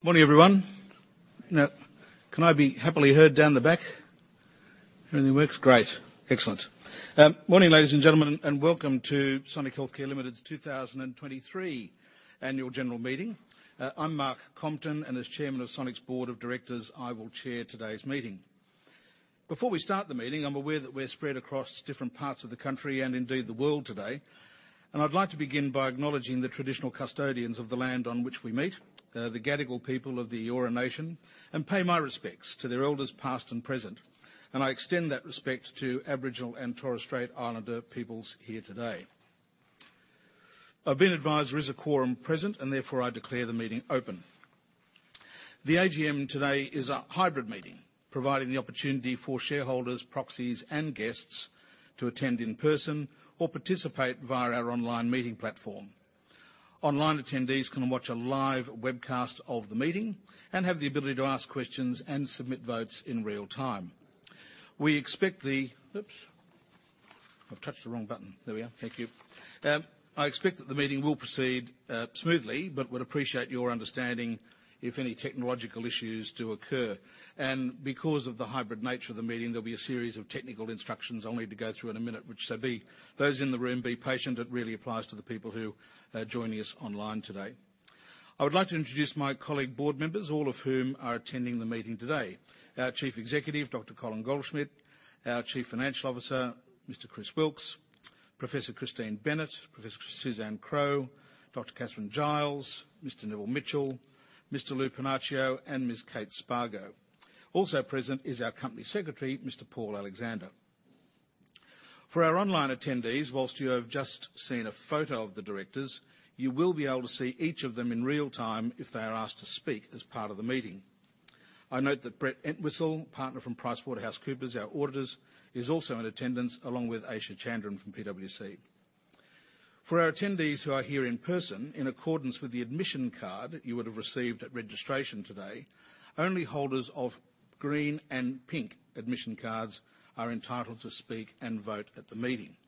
Morning, everyone. Now, can I be happily heard down the back? Everything works? Great. Excellent. Morning, ladies and gentlemen, and welcome to Sonic Healthcare Limited's 2023 Annual General Meeting. I'm Mark Compton, and as Chairman of Sonic's Board of Directors, I will chair today's meeting. Before we start the meeting, I'm aware that we're spread across different parts of the country and indeed, the world today, and I'd like to begin by acknowledging the traditional custodians of the land on which we meet, the Gadigal people of the Eora Nation, and pay my respects to their elders, past and present, and I extend that respect to Aboriginal and Torres Strait Islander peoples here today. I've been advised there is a quorum present, and therefore I declare the meeting open. The AGM today is a hybrid meeting, providing the opportunity for shareholders, proxies, and guests to attend in person or participate via our online meeting platform. Online attendees can watch a live webcast of the meeting and have the ability to ask questions and submit votes in real time. We expect the... Oops! I've touched the wrong button. There we are. Thank you. I expect that the meeting will proceed smoothly, but would appreciate your understanding if any technological issues do occur, and because of the hybrid nature of the meeting, there'll be a series of technical instructions I'll need to go through in a minute, which those in the room, be patient. It really applies to the people who are joining us online today. I would like to introduce my colleague board members, all of whom are attending the meeting today. Our Chief Executive, Dr. Colin Goldschmidt, our Chief Financial Officer, Mr. Chris Wilks, Professor Christine Bennett, Professor Suzanne Crowe, Dr. Katharine Giles, Mr. Neville Mitchell, Mr. Lou Panaccio, and Ms. Kate Spargo. Also present is our Company Secretary, Mr. Paul Alexander. For our online attendees, while you have just seen a photo of the directors, you will be able to see each of them in real time if they are asked to speak as part of the meeting. I note that Brett Entwistle, partner from PricewaterhouseCoopers, our auditors, is also in attendance, along with Aisha Chandran from PwC. For our attendees who are here in person, in accordance with the admission card you would have received at registration today, only holders of green and pink admission cards are entitled to speak and vote at the meeting.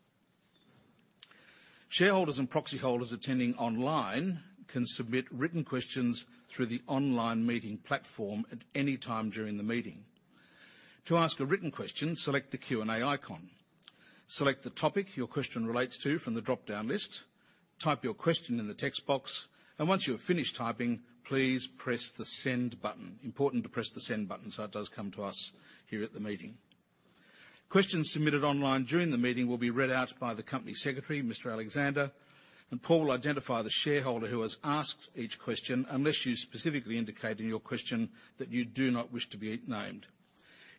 Shareholders and proxy holders attending online can submit written questions through the online meeting platform at any time during the meeting. To ask a written question, select the Q&A icon. Select the topic your question relates to from the dropdown list, type your question in the text box, and once you have finished typing, please press the Send button. Important to press the Send button, so it does come to us here at the meeting. Questions submitted online during the meeting will be read out by the Company Secretary, Mr. Alexander, and Paul will identify the shareholder who has asked each question, unless you specifically indicate in your question that you do not wish to be named.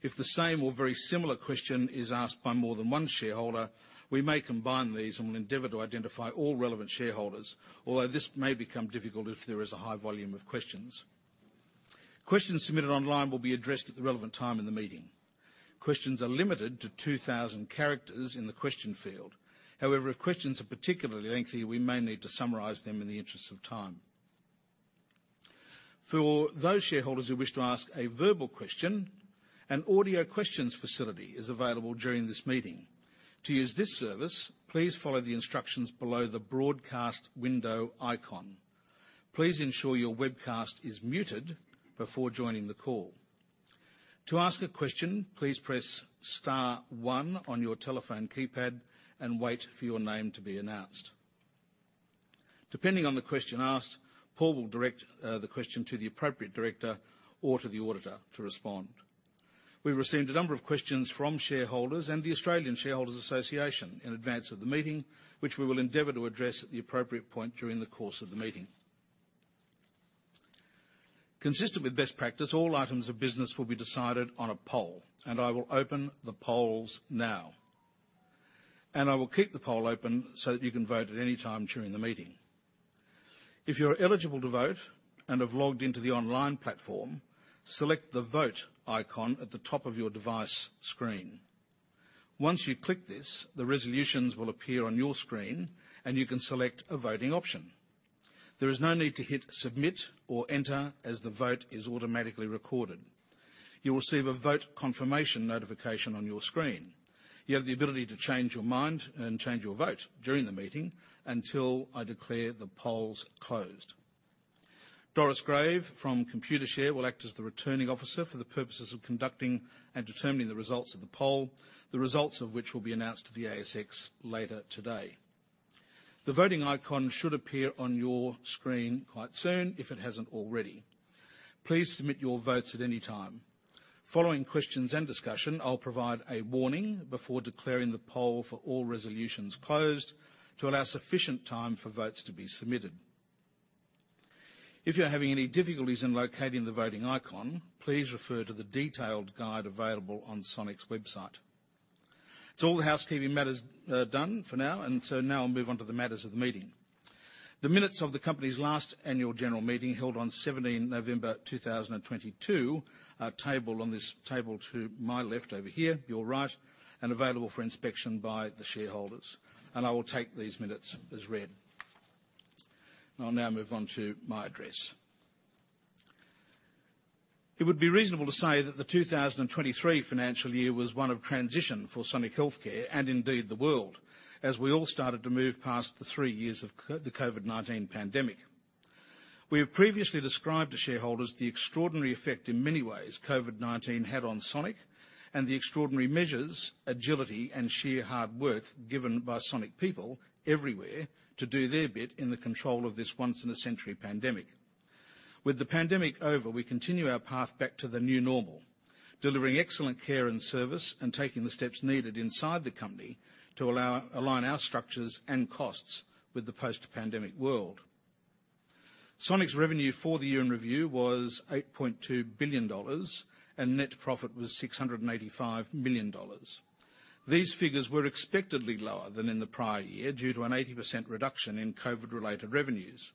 If the same or very similar question is asked by more than one shareholder, we may combine these and will endeavor to identify all relevant shareholders, although this may become difficult if there is a high volume of questions. Questions submitted online will be addressed at the relevant time in the meeting. Questions are limited to 2,000 characters in the question field. However, if questions are particularly lengthy, we may need to summarize them in the interest of time. For those shareholders who wish to ask a verbal question, an audio questions facility is available during this meeting. To use this service, please follow the instructions below the Broadcast Window icon. Please ensure your webcast is muted before joining the call. To ask a question, please press star one on your telephone keypad and wait for your name to be announced. Depending on the question asked, Paul will direct the question to the appropriate director or to the auditor to respond. We've received a number of questions from shareholders and the Australian Shareholders Association in advance of the meeting, which we will endeavor to address at the appropriate point during the course of the meeting. Consistent with best practice, all items of business will be decided on a poll, and I will open the polls now. I will keep the poll open so that you can vote at any time during the meeting. If you are eligible to vote and have logged into the online platform, select the Vote icon at the top of your device screen. Once you click this, the resolutions will appear on your screen, and you can select a voting option. There is no need to hit Submit or Enter, as the vote is automatically recorded. You will receive a vote confirmation notification on your screen. You have the ability to change your mind and change your vote during the meeting until I declare the polls closed. Doris Grave from Computershare will act as the Returning Officer for the purposes of conducting and determining the results of the poll, the results of which will be announced to the ASX later today. The voting icon should appear on your screen quite soon, if it hasn't already. Please submit your votes at any time. Following questions and discussion, I'll provide a warning before declaring the poll for all resolutions closed to allow sufficient time for votes to be submitted. If you're having any difficulties in locating the voting icon, please refer to the detailed guide available on Sonic's website. So all the housekeeping matters, done for now, and so now I'll move on to the matters of the meeting. The minutes of the company's last annual general meeting, held on November 17th, 2022, are tabled on this table to my left over here, your right, and available for inspection by the shareholders, and I will take these minutes as read. I'll now move on to my address. It would be reasonable to say that the 2023 financial year was one of transition for Sonic Healthcare, and indeed, the world, as we all started to move past the three years of the COVID-19 pandemic. We have previously described to shareholders the extraordinary effect, in many ways, COVID-19 had on Sonic and the extraordinary measures, agility, and sheer hard work given by Sonic people everywhere to do their bit in the control of this once-in-a-century pandemic. With the pandemic over, we continue our path back to the new normal, delivering excellent care and service, and taking the steps needed inside the company to allow align our structures and costs with the post-pandemic world. Sonic's revenue for the year in review was 8.2 billion dollars, and net profit was 685 million dollars. These figures were expectedly lower than in the prior year due to an 80% reduction in COVID-related revenues.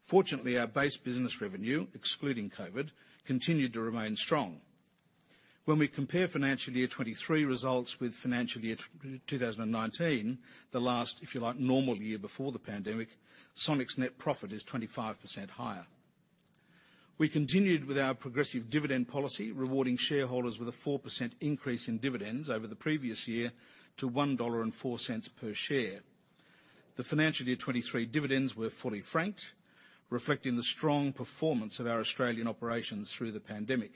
Fortunately, our base business revenue, excluding COVID, continued to remain strong. When we compare financial year 2023 results with financial year 2019, the last, if you like, normal year before the pandemic, Sonic's net profit is 25% higher. We continued with our progressive dividend policy, rewarding shareholders with a 4% increase in dividends over the previous year to 1.04 dollar per share. The financial year 2023 dividends were fully franked, reflecting the strong performance of our Australian operations through the pandemic.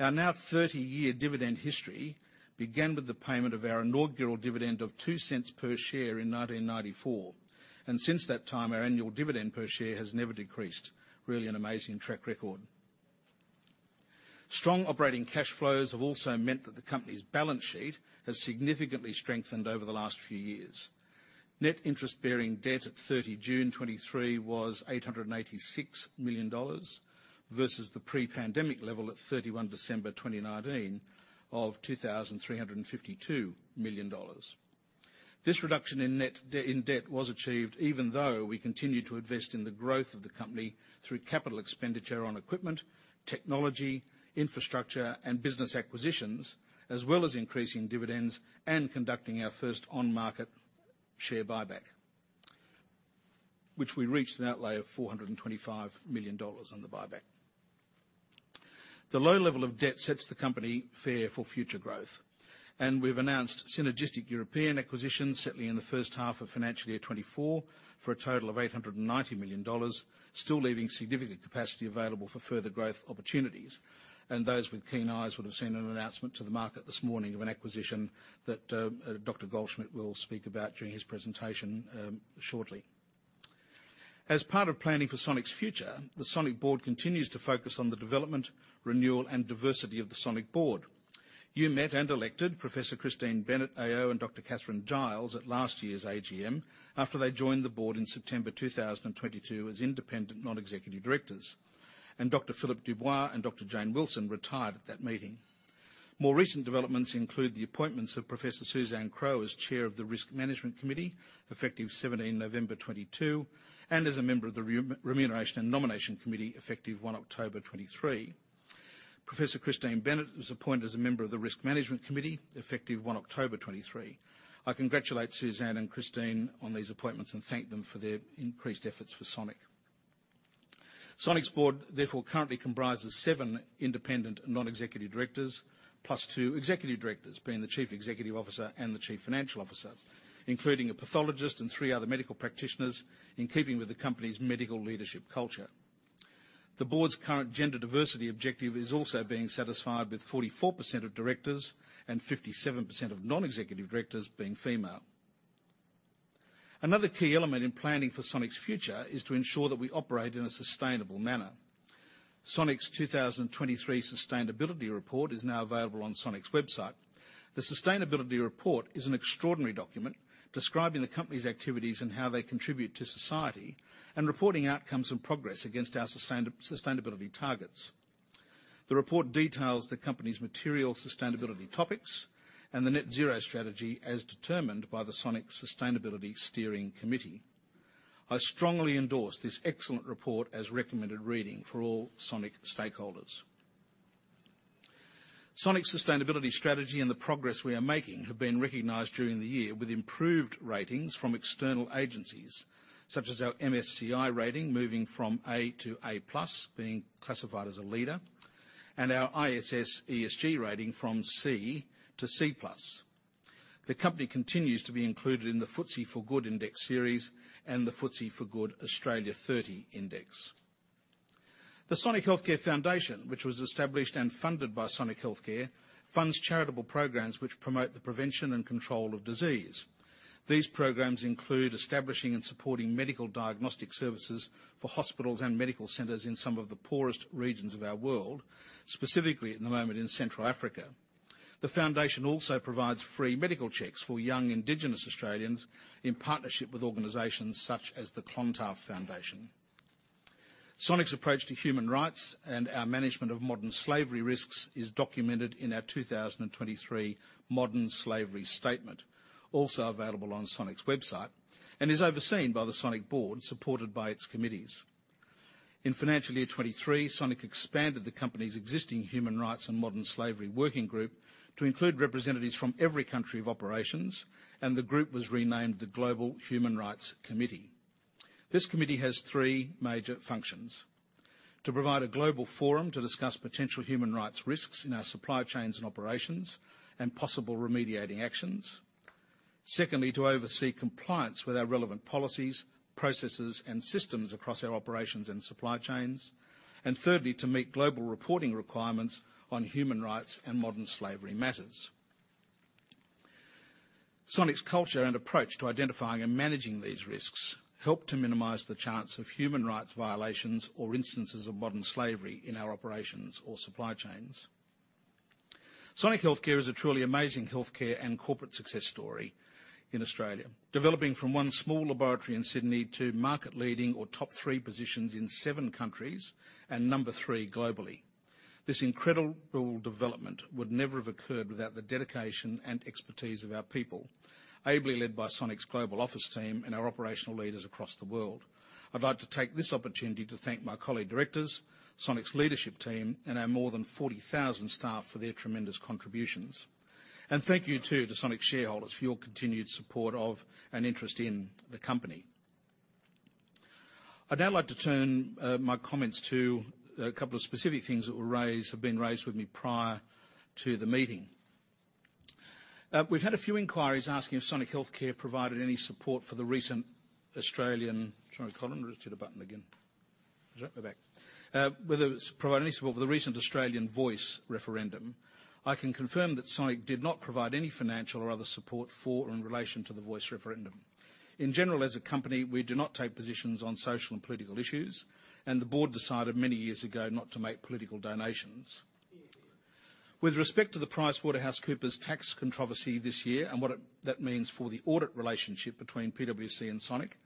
Our now 30-year dividend history began with the payment of our inaugural dividend of 0.02 per share in 1994, and since that time, our annual dividend per share has never decreased. Really an amazing track record. Strong operating cash flows have also meant that the company's balance sheet has significantly strengthened over the last few years. Net interest-bearing debt at June 30th, 2023 was AUD 886 million versus the pre-pandemic level at December 31st, 2019 of AUD 2,352 million. This reduction in net debt was achieved even though we continued to invest in the growth of the company through capital expenditure on equipment, technology, infrastructure, and business acquisitions, as well as increasing dividends and conducting our first on-market share buyback, which we reached an outlay of 425 million dollars on the buyback. The low level of debt sets the company fair for future growth, and we've announced synergistic European acquisitions, certainly in the first half of financial year 2024, for a total of 890 million dollars, still leaving significant capacity available for further growth opportunities. Those with keen eyes would have seen an announcement to the market this morning of an acquisition that Dr. Goldschmidt will speak about during his presentation, shortly. As part of planning for Sonic's future, the Sonic board continues to focus on the development, renewal, and diversity of the Sonic board. You met and elected Professor Christine Bennett AO and Dr Katharine Giles at last year's AGM, after they joined the board in September 2022 as independent non-executive directors, and Dr Philip Dubois and Dr Jane Wilson retired at that meeting. More recent developments include the appointments of Professor Suzanne Crowe as Chair of the Risk Management Committee, effective November 17th, 2022, and as a member of the Remuneration and Nomination Committee, effective October 1st, 2023. Professor Christine Bennett was appointed as a member of the Risk Management Committee, effective October 1st, 2023. I congratulate Suzanne and Christine on these appointments and thank them for their increased efforts for Sonic. Sonic's board, therefore, currently comprises seven independent and non-executive directors, plus two executive directors, being the Chief Executive Officer and the Chief Financial Officer, including a pathologist and three other medical practitioners, in keeping with the company's medical leadership culture. The board's current gender diversity objective is also being satisfied, with 44% of directors and 57% of non-executive directors being female. Another key element in planning for Sonic's future is to ensure that we operate in a sustainable manner. Sonic's 2023 sustainability report is now available on Sonic's website. The sustainability report is an extraordinary document describing the company's activities and how they contribute to society, and reporting outcomes and progress against our sustainability targets. The report details the company's material sustainability topics and the net zero strategy, as determined by the Sonic Sustainability Steering Committee. I strongly endorse this excellent report as recommended reading for all Sonic stakeholders. Sonic's sustainability strategy and the progress we are making have been recognized during the year with improved ratings from external agencies, such as our MSCI rating, moving from A to A+, being classified as a leader, and our ISS ESG rating from C to C+. The company continues to be included in the FTSE4Good Index Series and the FTSE4Good Australia 30 Index. The Sonic Healthcare Foundation, which was established and funded by Sonic Healthcare, funds charitable programs which promote the prevention and control of disease. These programs include establishing and supporting medical diagnostic services for hospitals and medical centers in some of the poorest regions of our world, specifically, at the moment, in Central Africa. The foundation also provides free medical checks for young Indigenous Australians in partnership with organizations such as the Clontarf Foundation. Sonic's approach to human rights and our management of modern slavery risks is documented in our 2023 Modern Slavery Statement, also available on Sonic's website, and is overseen by the Sonic board, supported by its committees. In financial year 2023, Sonic expanded the company's existing Human Rights and Modern Slavery working group to include representatives from every country of operations, and the group was renamed the Global Human Rights Committee.... This committee has three major functions: To provide a global forum to discuss potential human rights risks in our supply chains and operations, and possible remediating actions. Secondly, to oversee compliance with our relevant policies, processes, and systems across our operations and supply chains. And thirdly, to meet global reporting requirements on human rights and modern slavery matters. Sonic's culture and approach to identifying and managing these risks help to minimize the chance of human rights violations or instances of modern slavery in our operations or supply chains. Sonic Healthcare is a truly amazing healthcare and corporate success story in Australia, developing from one small laboratory in Sydney to market-leading or top three positions in seven countries, and number three, globally. This incredible development would never have occurred without the dedication and expertise of our people, ably led by Sonic's global office team and our operational leaders across the world. I'd like to take this opportunity to thank my colleague, directors, Sonic's leadership team, and our more than 40,000 staff for their tremendous contributions. And thank you, too, to Sonic shareholders for your continued support of and interest in the company. I'd now like to turn my comments to a couple of specific things that were raised, have been raised with me prior to the meeting. We've had a few inquiries asking if Sonic Healthcare provided any support for the recent Australian Voice referendum. I can confirm that Sonic did not provide any financial or other support for or in relation to the Voice referendum. In general, as a company, we do not take positions on social and political issues, and the board decided many years ago not to make political donations. With respect to the PricewaterhouseCoopers tax controversy this year and what that means for the audit relationship between PwC and Sonic,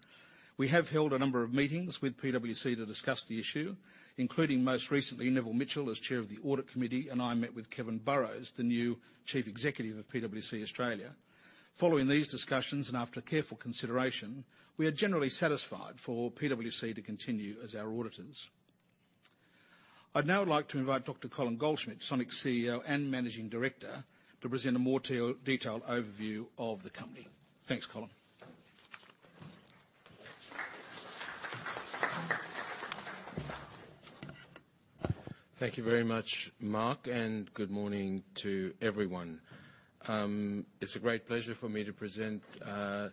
we have held a number of meetings with PwC to discuss the issue, including, most recently, Neville Mitchell, as Chair of the Audit Committee, and I met with Kevin Burrowes, the new Chief Executive of PwC Australia. Following these discussions, and after careful consideration, we are generally satisfied for PwC to continue as our auditors. I'd now like to invite Dr. Colin Goldschmidt, Sonic's CEO and Managing Director, to present a more detailed overview of the company. Thanks, Colin. Thank you very much, Mark, and good morning to everyone. It's a great pleasure for me to present a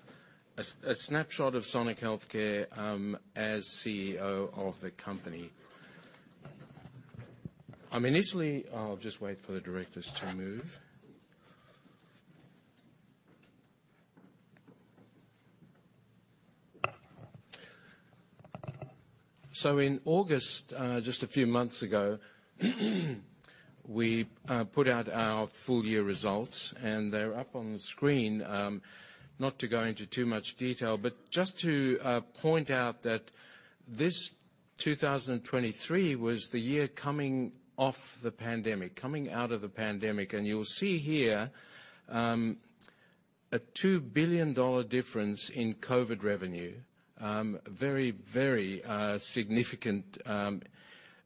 snapshot of Sonic Healthcare as CEO of the company. Initially, I'll just wait for the directors to move. So in August, just a few months ago, we put out our full-year results, and they're up on the screen. Not to go into too much detail, but just to point out that this 2023 was the year coming off the pandemic, coming out of the pandemic, and you'll see here a 2 billion dollar difference in COVID revenue. Very, very significant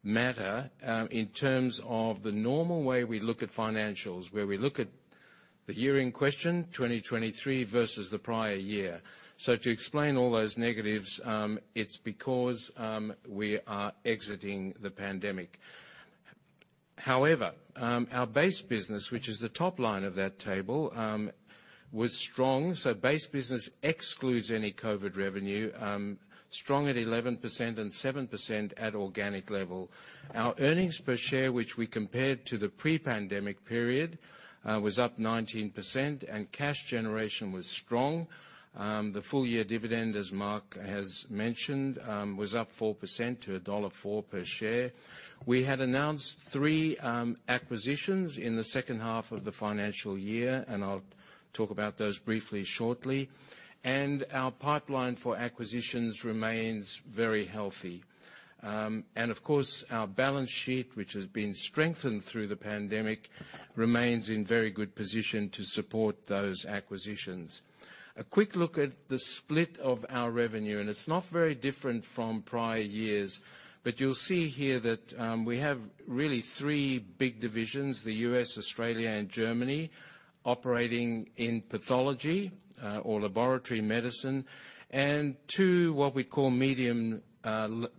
matter in terms of the normal way we look at financials, where we look at the year in question, 2023, versus the prior year. So to explain all those negatives, it's because we are exiting the pandemic. However, our base business, which is the top line of that table, was strong. So base business excludes any COVID revenue, strong at 11% and 7% at organic level. Our earnings per share, which we compared to the pre-pandemic period, was up 19%, and cash generation was strong. The full-year dividend, as Mark has mentioned, was up 4% to dollar 1.04 per share. We had announced three acquisitions in the second half of the financial year, and I'll talk about those briefly, shortly. And our pipeline for acquisitions remains very healthy. And of course, our balance sheet, which has been strengthened through the pandemic, remains in very good position to support those acquisitions. A quick look at the split of our revenue, and it's not very different from prior years, but you'll see here that, we have really three big divisions, the US, Australia, and Germany, operating in pathology, or laboratory medicine, and two, what we call medium,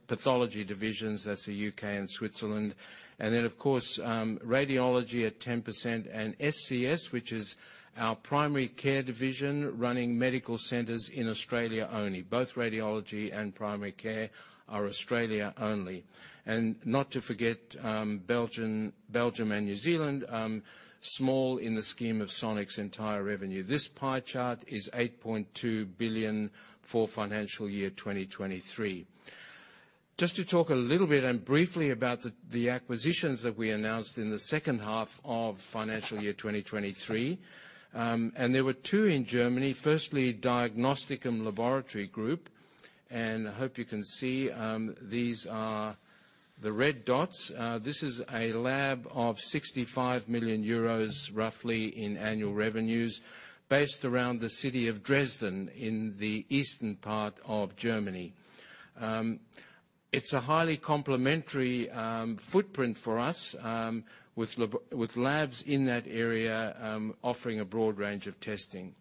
pathology divisions. That's the UK and Switzerland. And then, of course, radiology at 10%, and SCS, which is our primary care division, running medical centers in Australia only. Both radiology and primary care are Australia only. And not to forget, Belgium and New Zealand, small in the scheme of Sonic's entire revenue. This pie chart is 8.2 billion for financial year 2023. Just to talk a little bit and briefly about the acquisitions that we announced in the second half of financial year 2023, and there were two in Germany. Firstly, Diagnosticum Laboratory Group, and I hope you can see, these are the red dots. This is a lab of 65 million euros, roughly, in annual revenues, based around the city of Dresden, in the eastern part of Germany. It's a highly complementary footprint for us, with labs in that area, offering a broad range of testing.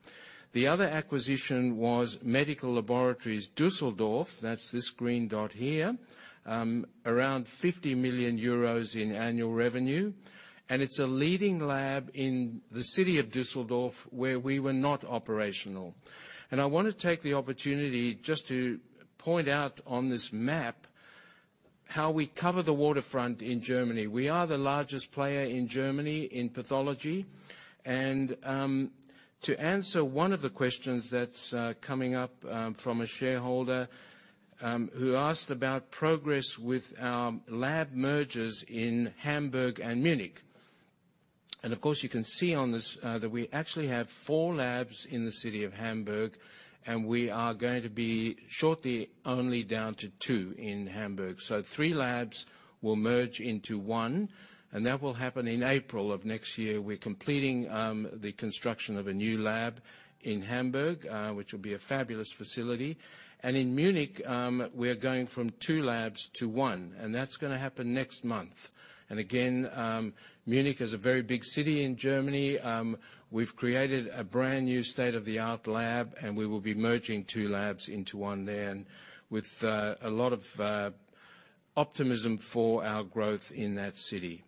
The other acquisition was Medical Laboratories Düsseldorf, that's this green dot here. Around 50 million euros in annual revenue, and it's a leading lab in the city of Düsseldorf, where we were not operational. And I want to take the opportunity just to point out on this map how we cover the waterfront in Germany. We are the largest player in Germany in pathology. And, to answer one of the questions that's coming up from a shareholder who asked about progress with our lab mergers in Hamburg and Munich. And of course, you can see on this that we actually have four labs in the city of Hamburg, and we are going to be shortly only down to two in Hamburg. So three labs will merge into one, and that will happen in April of next year. We're completing the construction of a new lab in Hamburg, which will be a fabulous facility. And in Munich, we are going from two labs to one, and that's gonna happen next month. And again, Munich is a very big city in Germany. We've created a brand-new state-of-the-art lab, and we will be merging two labs into one there, and with a lot of optimism for our growth in that city.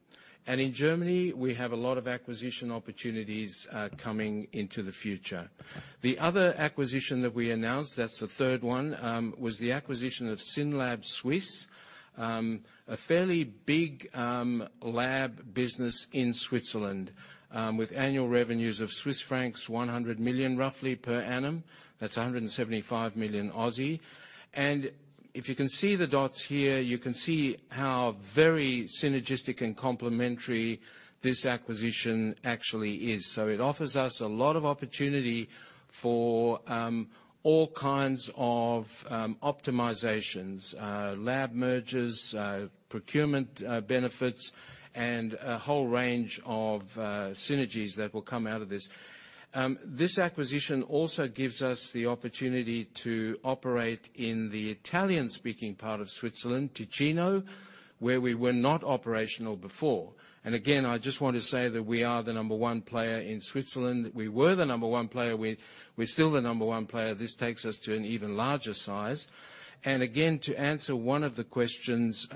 In Germany, we have a lot of acquisition opportunities coming into the future. The other acquisition that we announced, that's the third one, was the acquisition of SYNLAB Swiss. A fairly big lab business in Switzerland with annual revenues of Swiss francs 100 million, roughly, per annum. That's 175 million. And if you can see the dots here, you can see how very synergistic and complementary this acquisition actually is. So it offers us a lot of opportunity for all kinds of optimizations, lab mergers, procurement benefits, and a whole range of synergies that will come out of this. This acquisition also gives us the opportunity to operate in the Italian-speaking part of Switzerland, Ticino, where we were not operational before. Again, I just want to say that we are the number one player in Switzerland. We were the number one player. We're, we're still the number one player. This takes us to an even larger size. Again, to answer one of the questions,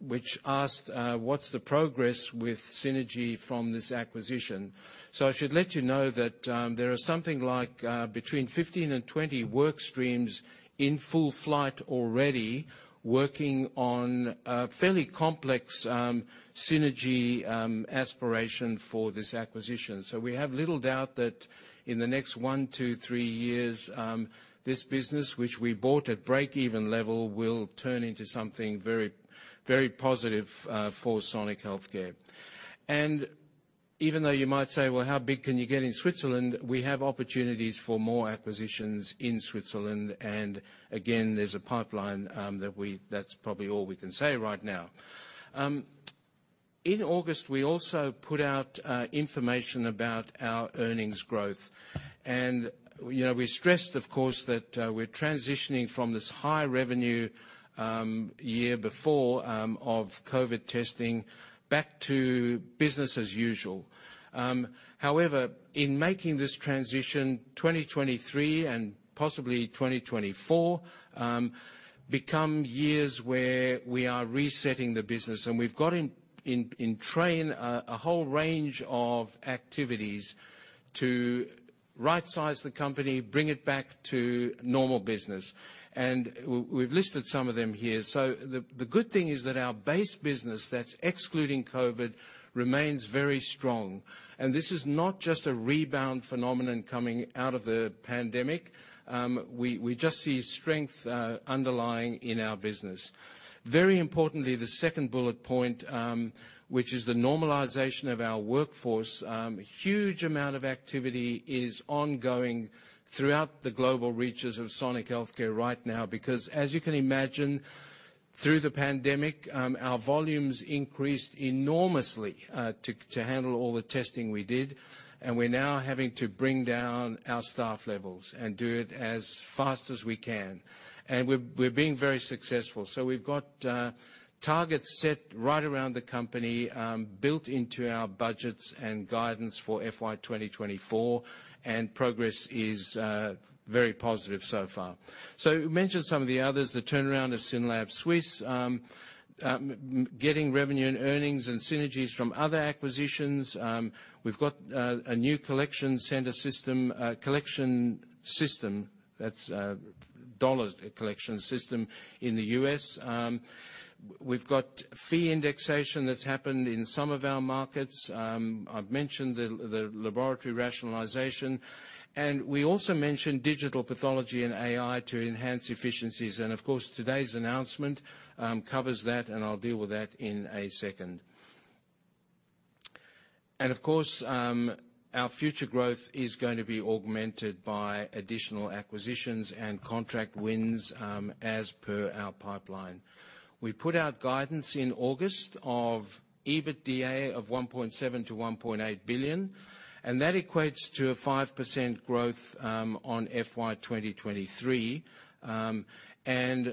which asked, "What's the progress with synergy from this acquisition?" So I should let you know that, there are something like, between 15 and 20 work streams in full flight already, working on a fairly complex, synergy, aspiration for this acquisition. So we have little doubt that in the next one to three years, this business, which we bought at breakeven level, will turn into something very, very positive, for Sonic Healthcare. Even though you might say, well, how big can you get in Switzerland? We have opportunities for more acquisitions in Switzerland, and again, there's a pipeline that's probably all we can say right now. In August, we also put out information about our earnings growth. You know, we stressed, of course, that we're transitioning from this high-revenue year before of COVID testing back to business as usual. However, in making this transition, 2023 and possibly 2024 become years where we are resetting the business, and we've got in train a whole range of activities to rightsize the company, bring it back to normal business, and we've listed some of them here. So the good thing is that our base business, that's excluding COVID, remains very strong, and this is not just a rebound phenomenon coming out of the pandemic. We just see strength underlying in our business. Very importantly, the second bullet point, which is the normalization of our workforce, huge amount of activity is ongoing throughout the global reaches of Sonic Healthcare right now, because, as you can imagine, through the pandemic, our volumes increased enormously to handle all the testing we did, and we're now having to bring down our staff levels and do it as fast as we can. And we're being very successful. So we've got targets set right around the company, built into our budgets and guidance for FY 2024, and progress is very positive so far. So we mentioned some of the others, the turnaround of SYNLAB Swiss, getting revenue and earnings and synergies from other acquisitions. We've got a new collection center system, collection system, that's dollar collection system in the US. We've got fee indexation that's happened in some of our markets. I've mentioned the laboratory rationalization, and we also mentioned digital pathology and AI to enhance efficiencies. And, of course, today's announcement covers that, and I'll deal with that in a second. And of course, our future growth is going to be augmented by additional acquisitions and contract wins, as per our pipeline. We put out guidance in August of EBITDA of 1.7 billion-1.8 billion, and that equates to a 5% growth on FY 2023. And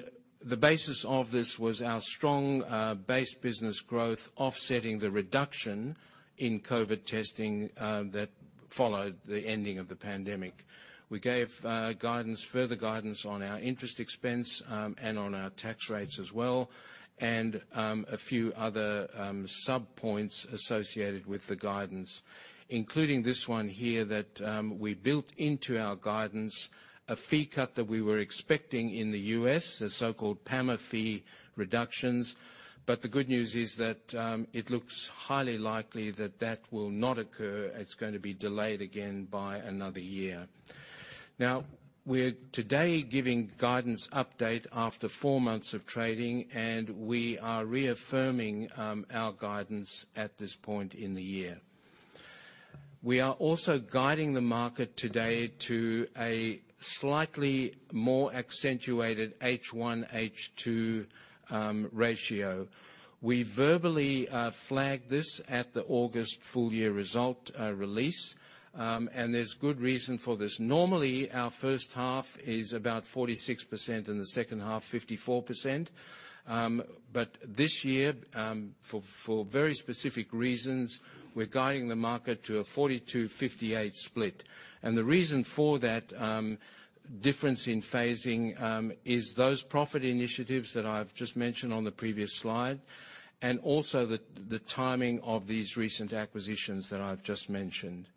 the basis of this was our strong base business growth, offsetting the reduction in COVID testing that followed the ending of the pandemic. We gave further guidance on our interest expense and on our tax rates as well, and a few other sub-points associated with the guidance, including this one here, that we built into our guidance, a fee cut that we were expecting in the U.S., the so-called PAMA fee reductions. But the good news is that it looks highly likely that that will not occur. It's going to be delayed again by another year. Now, we're today giving guidance update after four months of trading, and we are reaffirming our guidance at this point in the year. We are also guiding the market today to a slightly more accentuated H1, H2 ratio. We verbally flagged this at the August full-year results release. And there's good reason for this. Normally, our first half is about 46%, and the second half, 54%. But this year, for very specific reasons, we're guiding the market to a 42-58 split. And the reason for that difference in phasing is those profit initiatives that I've just mentioned on the previous slide, and also the timing of these recent acquisitions that I've just mentioned.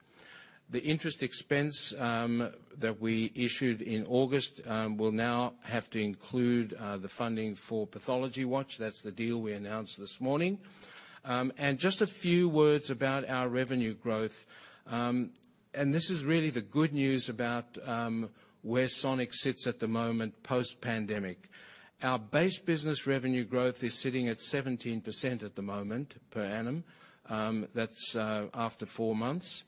The interest expense that we issued in August will now have to include the funding for PathologyWatch. That's the deal we announced this morning. And just a few words about our revenue growth. And this is really the good news about where Sonic sits at the moment, post-pandemic. Our base business revenue growth is sitting at 17% at the moment, per annum. That's after four months.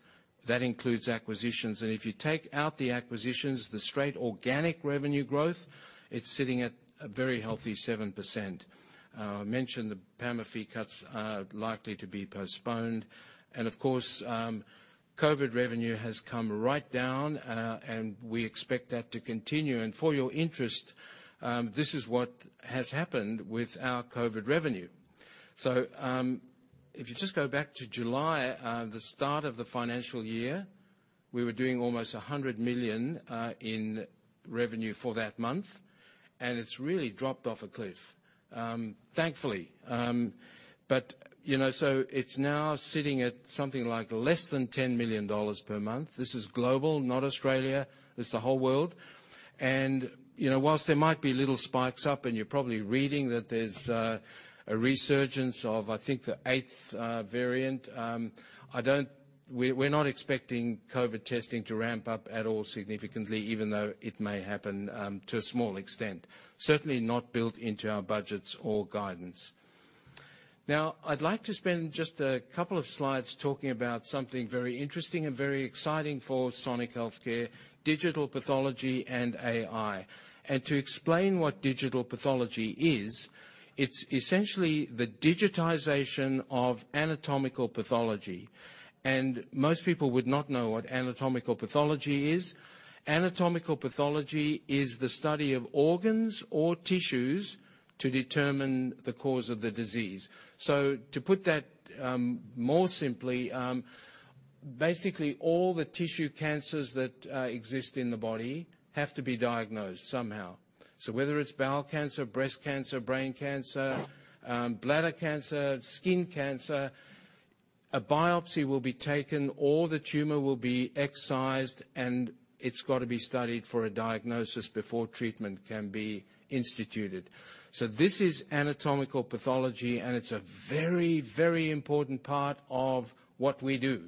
That includes acquisitions, and if you take out the acquisitions, the straight organic revenue growth, it's sitting at a very healthy 7%. I mentioned the PAMA fee cuts are likely to be postponed. And of course, COVID revenue has come right down, and we expect that to continue. And for your interest, this is what has happened with our COVID revenue. So, if you just go back to July, the start of the financial year, we were doing almost 100 million in revenue for that month, and it's really dropped off a cliff, thankfully. But, you know, so it's now sitting at something like less than 10 million dollars per month. This is global, not Australia. It's the whole world. You know, while there might be little spikes up, and you're probably reading that there's a resurgence of, I think, the eighth variant. We're not expecting COVID testing to ramp up at all significantly, even though it may happen to a small extent. Certainly, not built into our budgets or guidance. Now, I'd like to spend just a couple of slides talking about something very interesting and very exciting for Sonic Healthcare, digital pathology and AI. To explain what digital pathology is, it's essentially the digitization of anatomical pathology, and most people would not know what anatomical pathology is. Anatomical pathology is the study of organs or tissues to determine the cause of the disease. So to put that more simply, basically, all the tissue cancers that exist in the body have to be diagnosed somehow. So whether it's bowel cancer, breast cancer, brain cancer, bladder cancer, skin cancer, a biopsy will be taken, or the tumor will be excised, and it's got to be studied for a diagnosis before treatment can be instituted. So this is anatomical pathology, and it's a very, very important part of what we do.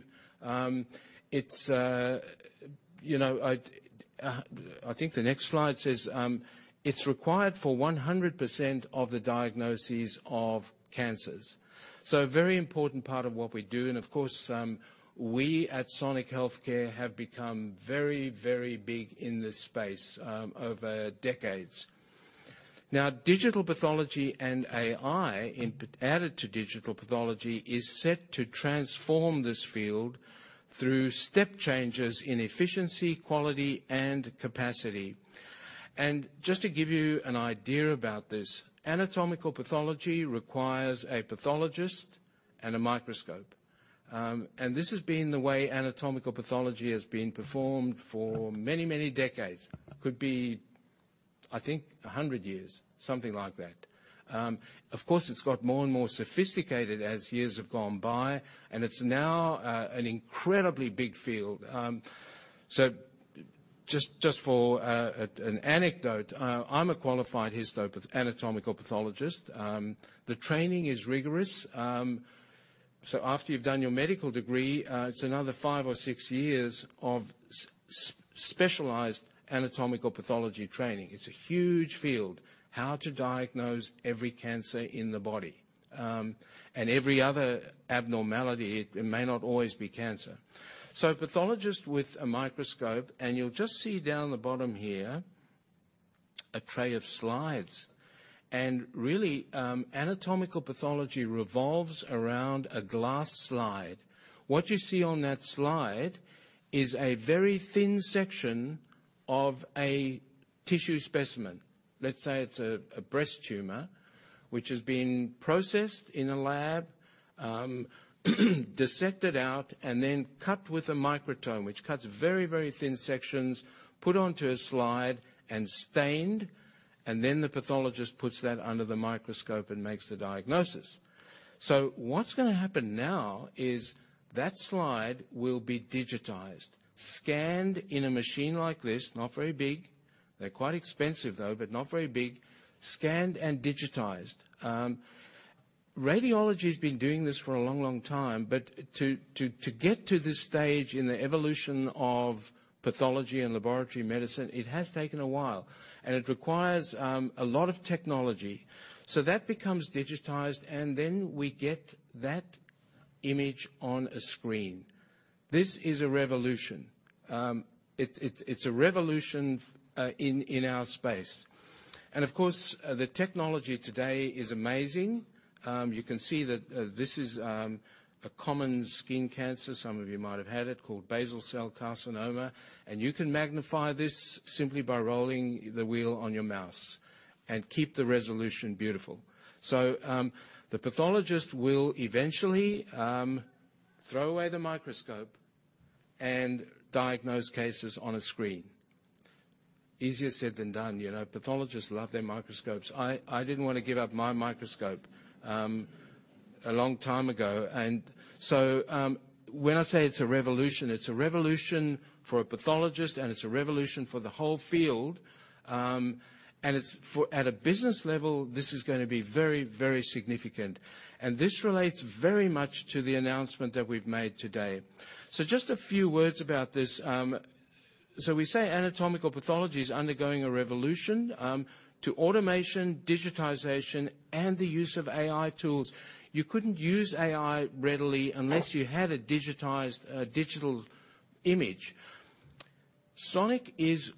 You know, I think the next slide says, it's required for 100% of the diagnoses of cancers. So a very important part of what we do, and of course, we at Sonic Healthcare have become very, very big in this space over decades. Now, digital pathology and AI added to digital pathology is set to transform this field through step changes in efficiency, quality, and capacity. Just to give you an idea about this, anatomical pathology requires a pathologist and a microscope. This has been the way anatomical pathology has been performed for many, many decades. Could be, I think, 100 years, something like that. Of course, it's got more and more sophisticated as years have gone by, and it's now an incredibly big field. So just for an anecdote, I'm a qualified anatomical pathologist. The training is rigorous. So after you've done your medical degree, it's another 5 or 6 years of specialized anatomical pathology training. It's a huge field, how to diagnose every cancer in the body, and every other abnormality. It may not always be cancer. So a pathologist with a microscope, and you'll just see down the bottom here, a tray of slides. And really, anatomical pathology revolves around a glass slide. What you see on that slide is a very thin section of a tissue specimen. Let's say it's a breast tumor which has been processed in a lab, dissected out, and then cut with a microtome, which cuts very, very thin sections, put onto a slide, and stained, and then the pathologist puts that under the microscope and makes the diagnosis. So what's gonna happen now is that slide will be digitized, scanned in a machine like this, not very big. They're quite expensive, though, but not very big. Scanned and digitized. Radiology's been doing this for a long, long time, but to get to this stage in the evolution of pathology and laboratory medicine, it has taken a while, and it requires a lot of technology. So that becomes digitized, and then we get that image on a screen. This is a revolution. It's a revolution in our space, and of course, the technology today is amazing. You can see that this is a common skin cancer, some of you might have had it, called Basal Cell Carcinoma, and you can magnify this simply by rolling the wheel on your mouse and keep the resolution beautiful. So, the pathologist will eventually throw away the microscope and diagnose cases on a screen. Easier said than done, you know? Pathologists love their microscopes. I didn't want to give up my microscope a long time ago, and so when I say it's a revolution, it's a revolution for a pathologist, and it's a revolution for the whole field. And it's for... At a business level, this is gonna be very, very significant, and this relates very much to the announcement that we've made today. So just a few words about this. So we say anatomical pathology is undergoing a revolution to automation, digitization, and the use of AI tools. You couldn't use AI readily unless you had a digitized digital image. Sonic is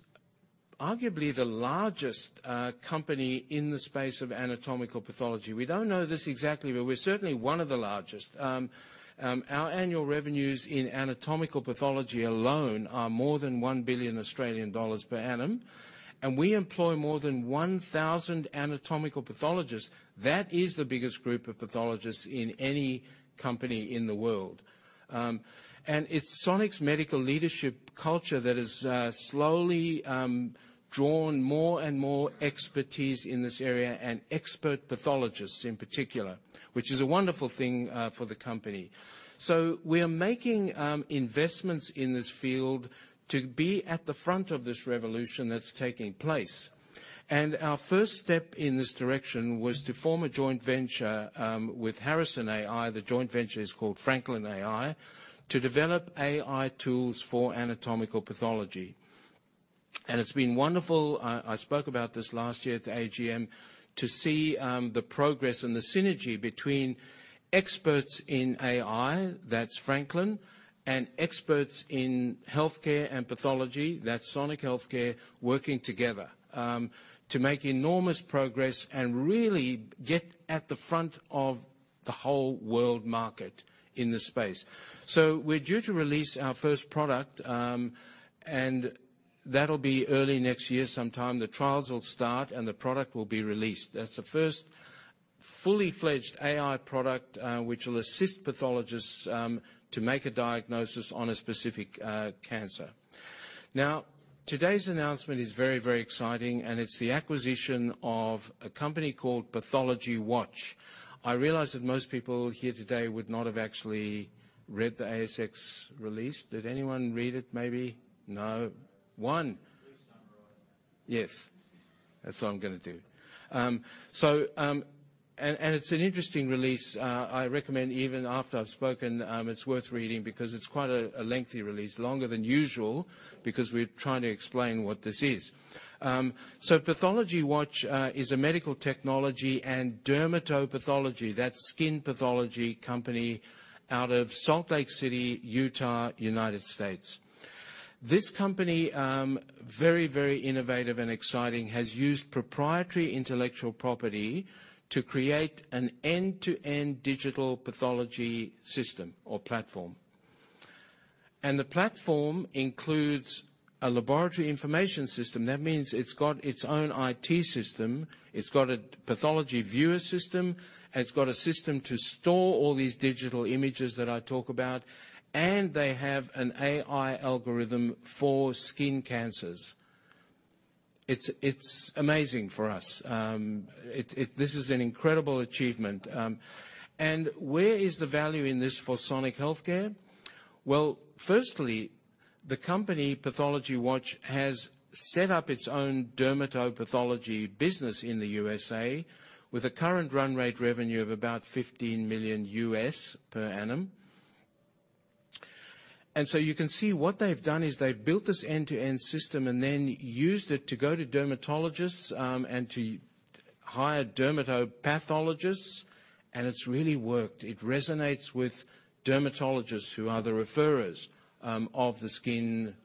arguably the largest company in the space of anatomical pathology. We don't know this exactly, but we're certainly one of the largest. Our annual revenues in anatomical pathology alone are more than 1 billion Australian dollars per annum, and we employ more than 1,000 anatomical pathologists. That is the biggest group of pathologists in any company in the world. It's Sonic's Medical Leadership culture that has slowly drawn more and more expertise in this area, and expert pathologists in particular, which is a wonderful thing for the company. We are making investments in this field to be at the front of this revolution that's taking place. Our first step in this direction was to form a joint venture with Harrison AI, the joint venture is called Franklin AI, to develop AI tools for anatomical pathology. And it's been wonderful. I spoke about this last year at the AGM, to see the progress and the synergy between experts in AI, that's Franklin, and experts in healthcare and pathology, that's Sonic Healthcare, working together to make enormous progress and really get at the front of the whole world market in this space. So we're due to release our first product, and that'll be early next year sometime. The trials will start, and the product will be released. That's the first fully fledged AI product, which will assist pathologists to make a diagnosis on a specific cancer. Now, today's announcement is very, very exciting, and it's the acquisition of a company called PathologyWatch. I realize that most people here today would not have actually read the ASX release. Did anyone read it, maybe? No. One! Yes. That's what I'm gonna do. So, and it's an interesting release. I recommend even after I've spoken, it's worth reading because it's quite a lengthy release, longer than usual, because we're trying to explain what this is. So PathologyWatch is a medical technology and dermatopathology, that's skin pathology, company out of Salt Lake City, Utah, United States. This company, very, very innovative and exciting, has used proprietary intellectual property to create an end-to-end digital pathology system or platform, and the platform includes a laboratory information system. That means it's got its own IT system, it's got a pathology viewer system, it's got a system to store all these digital images that I talk about, and they have an AI algorithm for skin cancers. It's amazing for us. It—this is an incredible achievement. And where is the value in this for Sonic Healthcare? Well, firstly, the company, PathologyWatch, has set up its own dermatopathology business in the USA with a current run rate revenue of about $15 million per annum. And so you can see what they've done is they've built this end-to-end system and then used it to go to dermatologists, and to hire dermatopathologists, and it's really worked. It resonates with dermatologists, who are the referrers, of the skin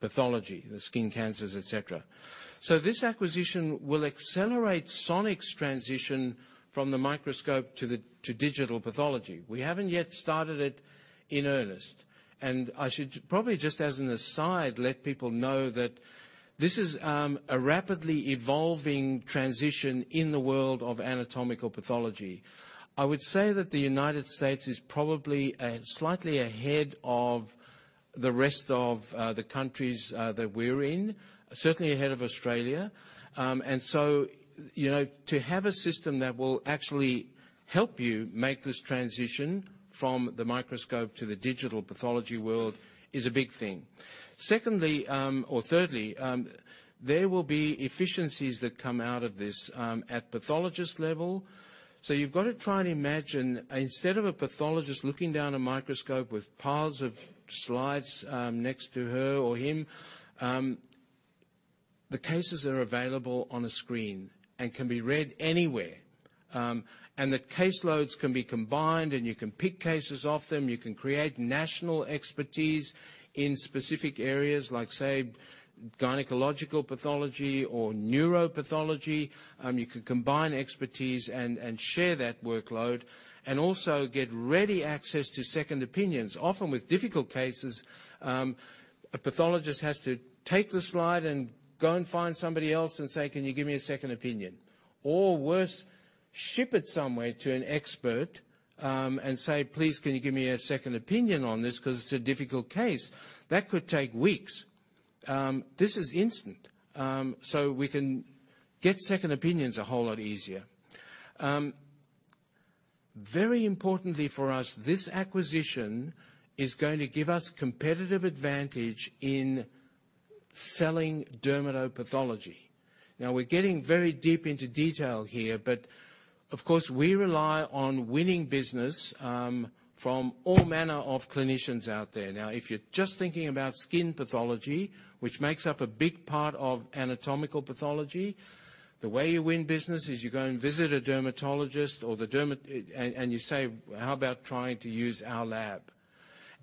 pathology, the skin cancers, et cetera. So this acquisition will accelerate Sonic's transition from the microscope to the, to digital pathology. We haven't yet started it in earnest, and I should probably, just as an aside, let people know that this is, a rapidly evolving transition in the world of anatomical pathology. I would say that the United States is probably a slightly ahead of the rest of the countries that we're in, certainly ahead of Australia. And so, you know, to have a system that will actually help you make this transition from the microscope to the digital pathology world is a big thing. Secondly, or thirdly, there will be efficiencies that come out of this at pathologist level. So you've got to try and imagine, instead of a pathologist looking down a microscope with piles of slides next to her or him, the cases are available on a screen and can be read anywhere. And the caseloads can be combined, and you can pick cases off them. You can create national expertise in specific areas like, say, gynecological pathology or neuropathology. You can combine expertise and share that workload and also get ready access to second opinions. Often with difficult cases, a pathologist has to take the slide and go and find somebody else and say, "Can you give me a second opinion?" Or worse, ship it somewhere to an expert, and say, "Please, can you give me a second opinion on this, because it's a difficult case?" That could take weeks. This is instant, so we can get second opinions a whole lot easier. Very importantly for us, this acquisition is going to give us competitive advantage in selling dermatopathology. Now, we're getting very deep into detail here, but of course, we rely on winning business from all manner of clinicians out there. Now, if you're just thinking about skin pathology, which makes up a big part of anatomical pathology, the way you win business is you go and visit a dermatologist. And you say, "How about trying to use our lab?"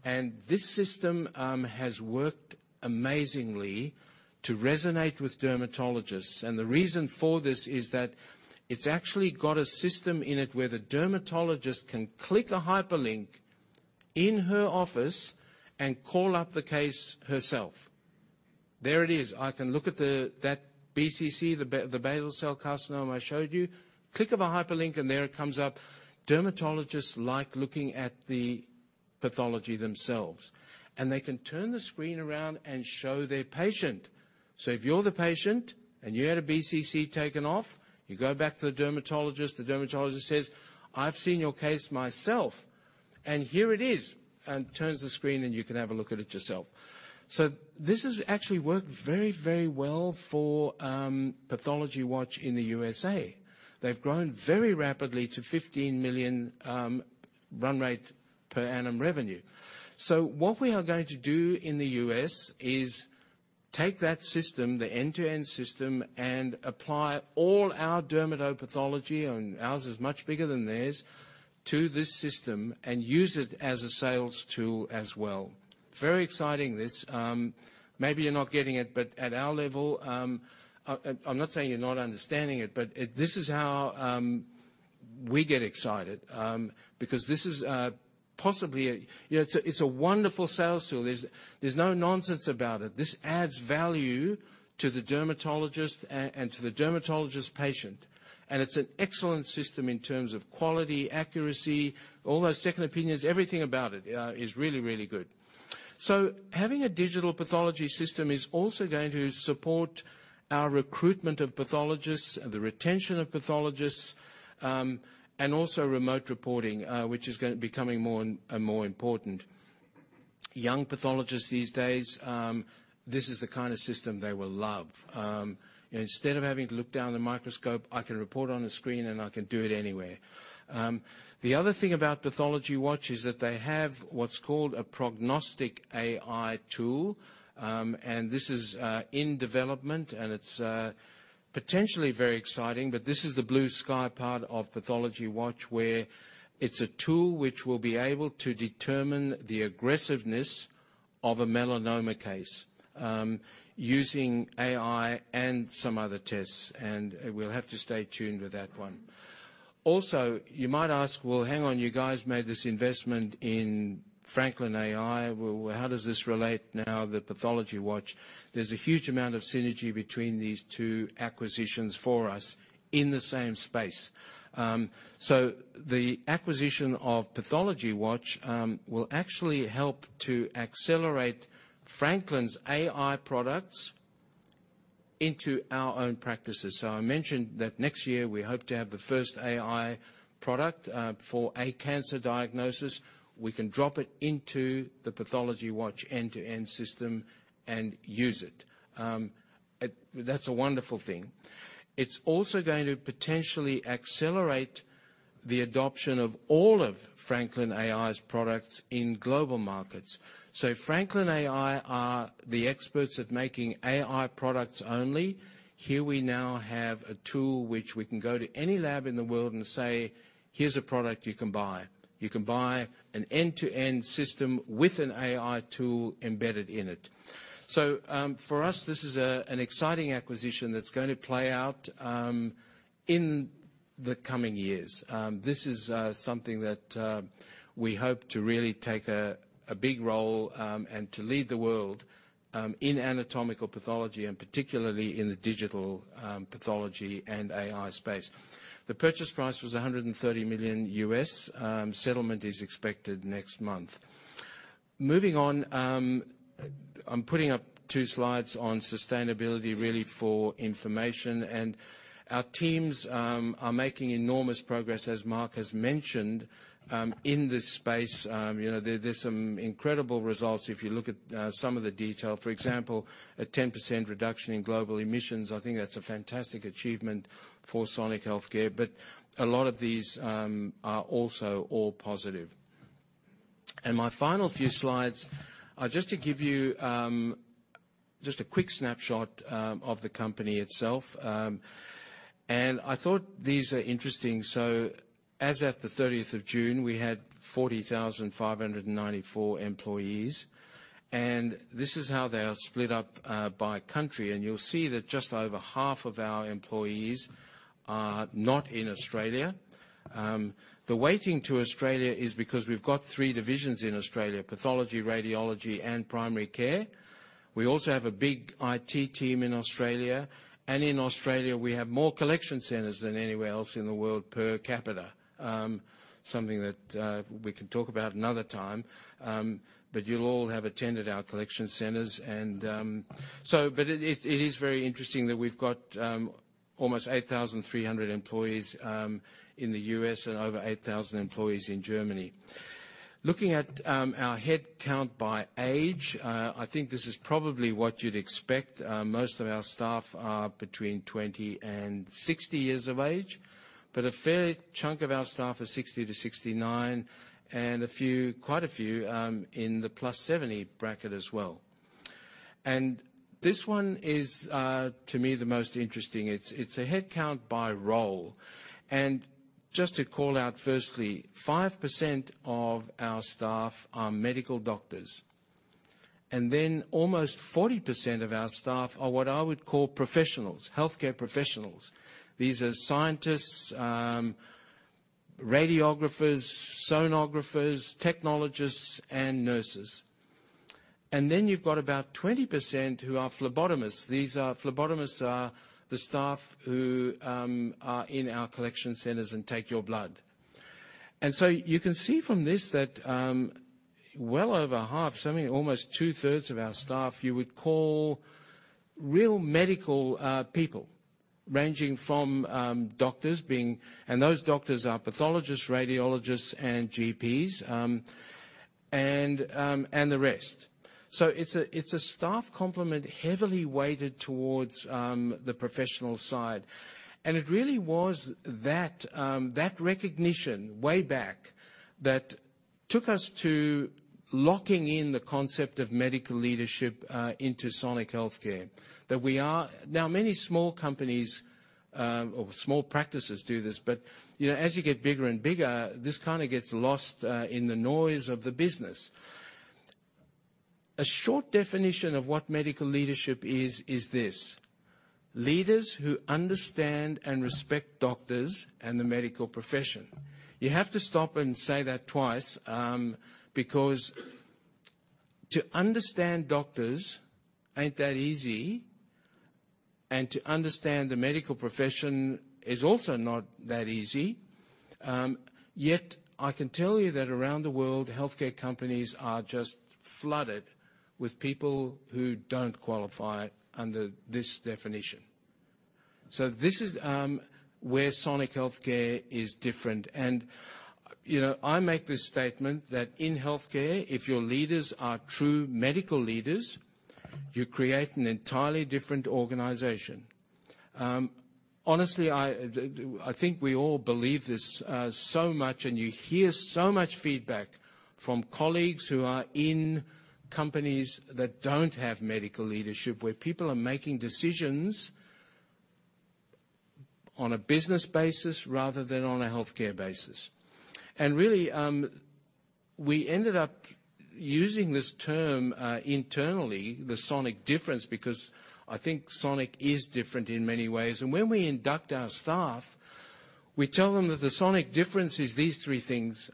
And this system has worked amazingly to resonate with dermatologists, and the reason for this is that it's actually got a system in it where the dermatologist can click a hyperlink in her office and call up the case herself. There it is. I can look at that BCC, the basal cell carcinoma I showed you, click of a hyperlink, and there it comes up. Dermatologists like looking at the pathology themselves, and they can turn the screen around and show their patient. So if you're the patient and you had a BCC taken off, you go back to the dermatologist, the dermatologist says, "I've seen your case myself, and here it is," and turns the screen, and you can have a look at it yourself. So this has actually worked very, very well for PathologyWatch in the USA. They've grown very rapidly to $15 million run rate per annum revenue. So what we are going to do in the US is take that system, the end-to-end system, and apply all our dermatopathology, and ours is much bigger than theirs, to this system and use it as a sales tool as well. Very exciting, this. Maybe you're not getting it, but at our level... I, I'm not saying you're not understanding it, but it, this is how we get excited. Because this is possibly a... You know, it's a wonderful sales tool, there's no nonsense about it. This adds value to the dermatologist and to the dermatologist's patient, and it's an excellent system in terms of quality, accuracy, all those second opinions, everything about it is really, really good. So having a digital pathology system is also going to support our recruitment of pathologists, the retention of pathologists, and also remote reporting, which is becoming more and more important. Young pathologists these days, this is the kind of system they will love. Instead of having to look down the microscope, I can report on a screen, and I can do it anywhere. The other thing about PathologyWatch is that they have what's called a prognostic AI tool, and this is in development, and it's potentially very exciting. But this is the blue sky part of PathologyWatch, where it's a tool which will be able to determine the aggressiveness of a melanoma case, using AI and some other tests, and, we'll have to stay tuned with that one. Also, you might ask: Well, hang on, you guys made this investment in Franklin AI. Well, how does this relate now to PathologyWatch? There's a huge amount of synergy between these two acquisitions for us in the same space. So the acquisition of PathologyWatch, will actually help to accelerate Franklin's AI products into our own practices. So I mentioned that next year, we hope to have the first AI product, for a cancer diagnosis. We can drop it into the PathologyWatch end-to-end system and use it. That's a wonderful thing. It's also going to potentially accelerate the adoption of all of Franklin AI's products in global markets. So Franklin AI are the experts at making AI products only. Here we now have a tool which we can go to any lab in the world and say, "Here's a product you can buy. You can buy an end-to-end system with an AI tool embedded in it." So, for us, this is, an exciting acquisition that's going to play out, in the coming years. This is, something that, we hope to really take a big role, and to lead the world, in anatomical pathology, and particularly in the digital, pathology and AI space. The purchase price was $130 million. Settlement is expected next month. Moving on, I'm putting up two slides on sustainability really for information, and our teams are making enormous progress, as Mark has mentioned, in this space. You know, there's some incredible results if you look at some of the detail. For example, a 10% reduction in global emissions, I think that's a fantastic achievement for Sonic Healthcare, but a lot of these are also all positive. And my final few slides are just to give you just a quick snapshot of the company itself. And I thought these are interesting. So as at the 30th of June, we had 40,594 employees, and this is how they are split up by country. And you'll see that just over half of our employees are not in Australia. The weighting to Australia is because we've got three divisions in Australia: pathology, radiology, and primary care. We also have a big IT team in Australia, and in Australia, we have more collection centers than anywhere else in the world per capita. Something that we can talk about another time, but you'll all have attended our collection centers and. But it is very interesting that we've got almost 8,300 employees in the US and over 8,000 employees in Germany. Looking at our head count by age, I think this is probably what you'd expect. Most of our staff are between 20 and 60 years of age, but a fair chunk of our staff are 60 years to 69 years, and a few, quite a few, in the plus 70 bracket as well. This one is, to me, the most interesting. It's a head count by role. Just to call out firstly, 5% of our staff are medical doctors, and then almost 40% of our staff are what I would call professionals, healthcare professionals. These are scientists, radiographers, sonographers, technologists, and nurses. Then you've got about 20% who are phlebotomists. Phlebotomists are the staff who are in our collection centers and take your blood. So you can see from this that, well over half, so I mean, almost two-thirds of our staff, you would call real medical people, ranging from doctors. Those doctors are pathologists, radiologists, and GPs, and the rest. So it's a staff complement, heavily weighted towards the professional side. It really was that recognition way back that took us to locking in the concept of Medical Leadership into Sonic Healthcare, that we are. Now, many small companies or small practices do this, but you know, as you get bigger and bigger, this kind of gets lost in the noise of the business. A short definition of what medical leadership is, is this: leaders who understand and respect doctors and the medical profession. You have to stop and say that twice, because to understand doctors ain't that easy, and to understand the medical profession is also not that easy. Yet, I can tell you that around the world, healthcare companies are just flooded with people who don't qualify under this definition. So this is where Sonic Healthcare is different. You know, I make this statement that in healthcare, if your leaders are true medical leaders, you create an entirely different organization. Honestly, I think we all believe this so much, and you hear so much feedback from colleagues who are in companies that don't have medical leadership, where people are making decisions on a business basis rather than on a healthcare basis. And really, we ended up using this term internally, the Sonic difference, because I think Sonic is different in many ways. And when we induct our staff, we tell them that the Sonic difference is these three things: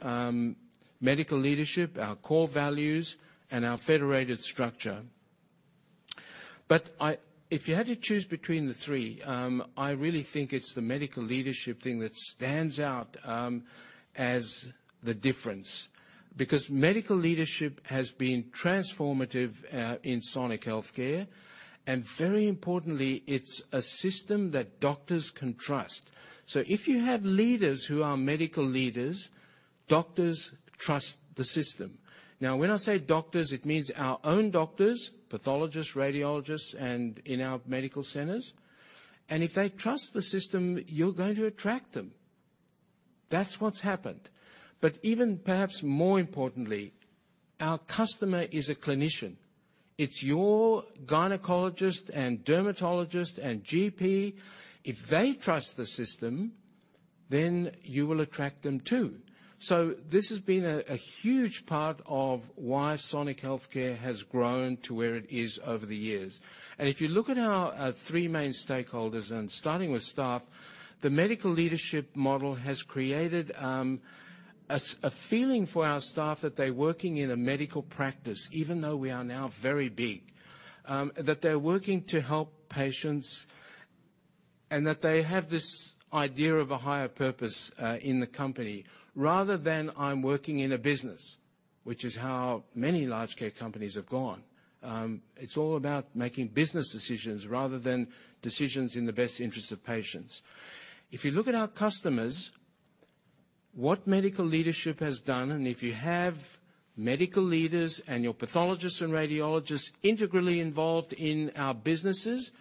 medical leadership, our core values, and our federated structure. But if you had to choose between the three, I really think it's the medical leadership thing that stands out as the difference. Because medical leadership has been transformative in Sonic Healthcare, and very importantly, it's a system that doctors can trust. So if you have leaders who are medical leaders, doctors trust the system. Now, when I say doctors, it means our own doctors, pathologists, radiologists, and in our medical centers. And if they trust the system, you're going to attract them. That's what's happened. But even perhaps more importantly, our customer is a clinician. It's your gynecologist and dermatologist and GP. If they trust the system, then you will attract them, too. So this has been a huge part of why Sonic Healthcare has grown to where it is over the years. If you look at our three main stakeholders, starting with staff, the Medical Leadership model has created a feeling for our staff that they're working in a medical practice, even though we are now very big. That they're working to help patients, and that they have this idea of a higher purpose in the company, rather than, "I'm working in a business," which is how many large care companies have gone. It's all about making business decisions rather than decisions in the best interest of patients. If you look at our customers, what Medical Leadership has done, and if you have medical leaders and your pathologists and radiologists integrally involved in our businesses,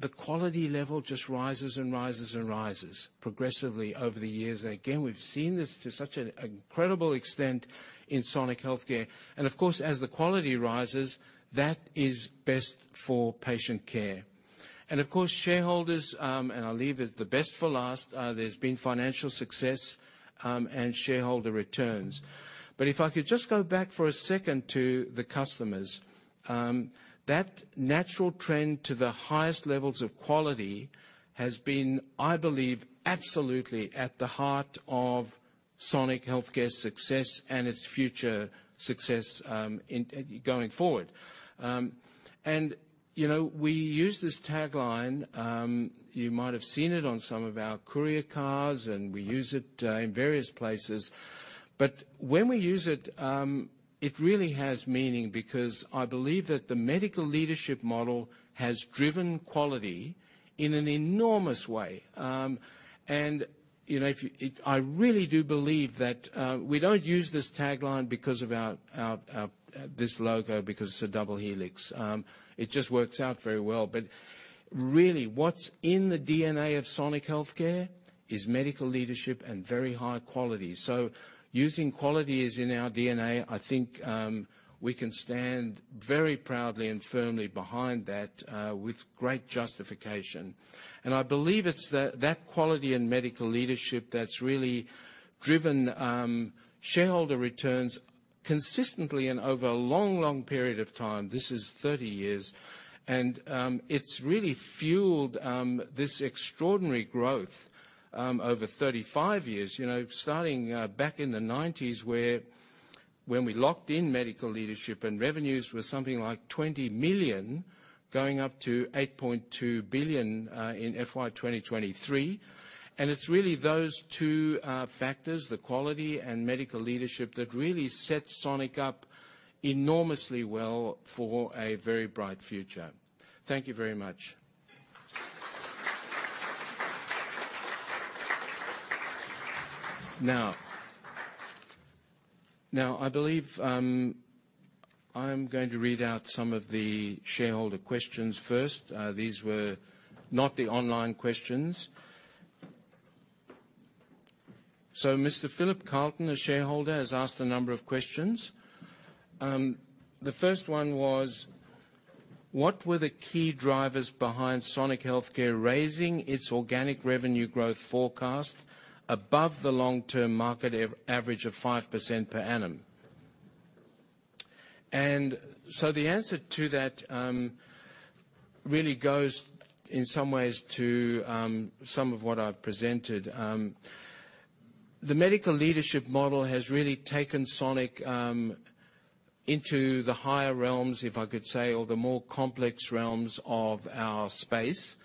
the quality level just rises and rises and rises progressively over the years. Again, we've seen this to such an incredible extent in Sonic Healthcare, and of course, as the quality rises, that is best for patient care. And of course, shareholders, and I'll leave it the best for last, there's been financial success and shareholder returns. But if I could just go back for a second to the customers. That natural trend to the highest levels of quality has been, I believe, absolutely at the heart of Sonic Healthcare's success and its future success going forward. You know, we use this tagline you might have seen it on some of our courier cars, and we use it in various places. But when we use it, it really has meaning because I believe that the Medical Leadership model has driven quality in an enormous way. You know, if I really do believe that, we don't use this tagline because of our this logo, because it's a double helix. It just works out very well. But really, what's in the DNA of Sonic Healthcare is Medical Leadership and very high quality. So using quality is in our DNA, I think, we can stand very proudly and firmly behind that, with great justification. And I believe it's that quality and Medical Leadership that's really driven, shareholder returns consistently and over a long, long period of time. This is 30 years, and, it's really fueled, this extraordinary growth, over 35 years. You know, starting back in the nineties, where when we locked in medical leadership and revenues were something like 20 million, going up to 8.2 billion in FY 2023. And it's really those two factors, the quality and medical leadership, that really sets Sonic up enormously well for a very bright future. Thank you very much. Now, now, I believe I'm going to read out some of the shareholder questions first. These were not the online questions. So Mr. Philip Carlton, a shareholder, has asked a number of questions. The first one was: What were the key drivers behind Sonic Healthcare raising its organic revenue growth forecast above the long-term market average of 5% per annum? And so the answer to that really goes, in some ways, to some of what I've presented. The medical leadership model has really taken Sonic into the higher realms, if I could say, or the more complex realms of our space.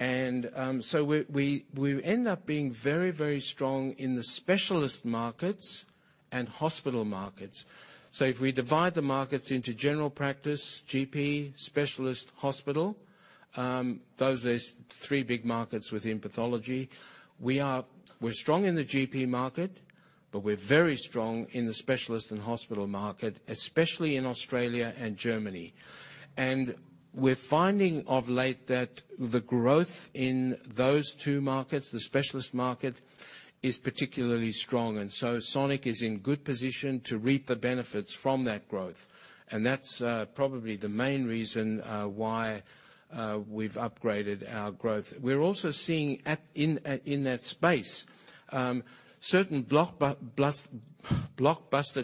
And so we end up being very, very strong in the specialist markets and hospital markets. So if we divide the markets into general practice, GP, specialist, hospital, those are three big markets within pathology. We're strong in the GP market, but we're very strong in the specialist and hospital market, especially in Australia and Germany. And we're finding of late that the growth in those two markets, the specialist market, is particularly strong, and so Sonic is in good position to reap the benefits from that growth. And that's probably the main reason why we've upgraded our growth. We're also seeing in that space certain blockbuster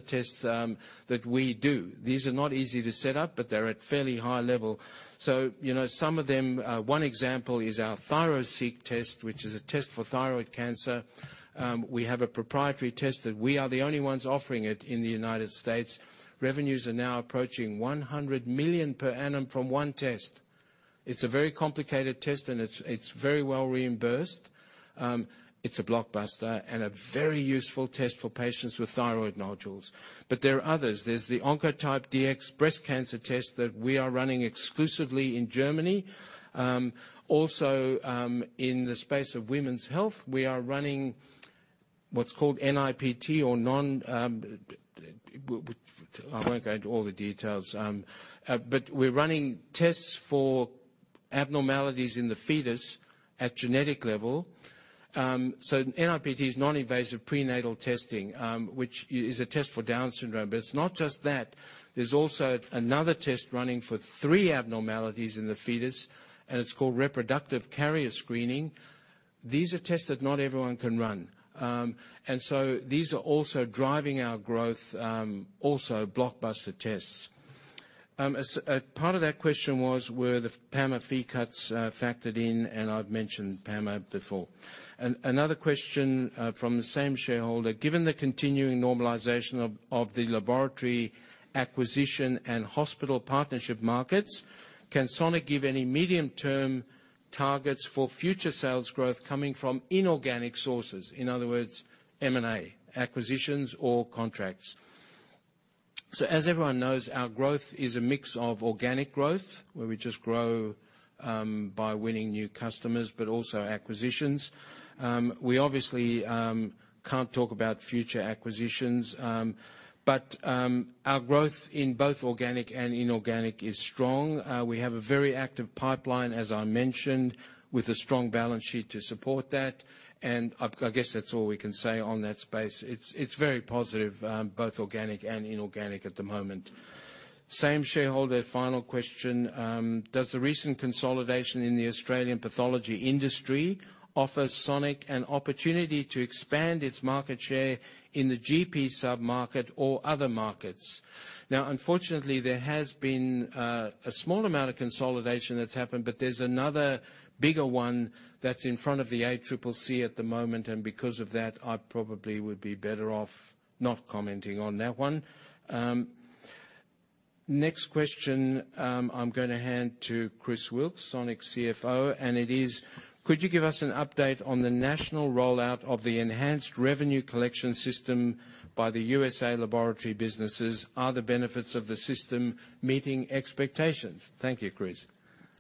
tests that we do. These are not easy to set up, but they're at fairly high level. So, you know, some of them, one example is our ThyroSeq test, which is a test for thyroid cancer. We have a proprietary test that we are the only ones offering it in the United States. Revenues are now approaching $100 million per annum from one test. It's a very complicated test, and it's very well reimbursed. It's a blockbuster and a very useful test for patients with thyroid nodules. But there are others. There's the Oncotype DX breast cancer test that we are running exclusively in Germany. Also, in the space of women's health, we are running what's called NIPT. I won't go into all the details. But we're running tests for abnormalities in the fetus at genetic level. So NIPT is Non-Invasive Prenatal Testing, which is a test for Down syndrome. But it's not just that. There's also another test running for three abnormalities in the fetus, and it's called Reproductive Carrier Screening. These are tests that not everyone can run. And so these are also driving our growth, also blockbuster tests. As part of that question was, were the PAMA fee cuts factored in? And I've mentioned PAMA before. Another question from the same shareholder: Given the continuing normalization of the laboratory acquisition and hospital partnership markets, can Sonic give any medium-term targets for future sales growth coming from inorganic sources, in other words, M&A, acquisitions, or contracts? So as everyone knows, our growth is a mix of organic growth, where we just grow by winning new customers, but also acquisitions. We obviously can't talk about future acquisitions, but our growth in both organic and inorganic is strong. We have a very active pipeline, as I mentioned, with a strong balance sheet to support that, and I guess that's all we can say on that space. It's very positive both organic and inorganic at the moment. Same shareholder, final question: Does the recent consolidation in the Australian pathology industry offer Sonic an opportunity to expand its market share in the GP sub-market or other markets? Now, unfortunately, there has been a small amount of consolidation that's happened, but there's another bigger one that's in front of the ACCC at the moment, and because of that, I probably would be better off not commenting on that one. Next question, I'm going to hand to Chris Wilks, Sonic's CFO, and it is: Could you give us an update on the national rollout of the enhanced revenue collection system by the USA laboratory businesses? Are the benefits of the system meeting expectations? Thank you, Chris.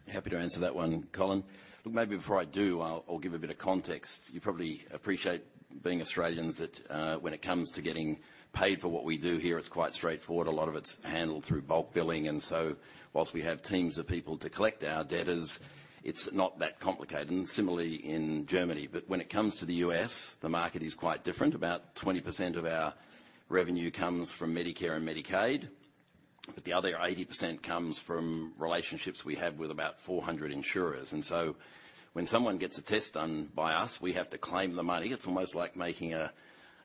Happy to answer that one, Colin. Look, maybe before I do, I'll, I'll give a bit of context. You probably appreciate, being Australians, that, when it comes to getting paid for what we do here, it's quite straightforward. A lot of it's handled through bulk billing, and so whilst we have teams of people to collect our debtors, it's not that complicated, and similarly in Germany. But when it comes to the U.S., the market is quite different. About 20% of our revenue comes from Medicare and Medicaid, but the other 80% comes from relationships we have with about 400 insurers, and so when someone gets a test done by us, we have to claim the money. It's almost like making a,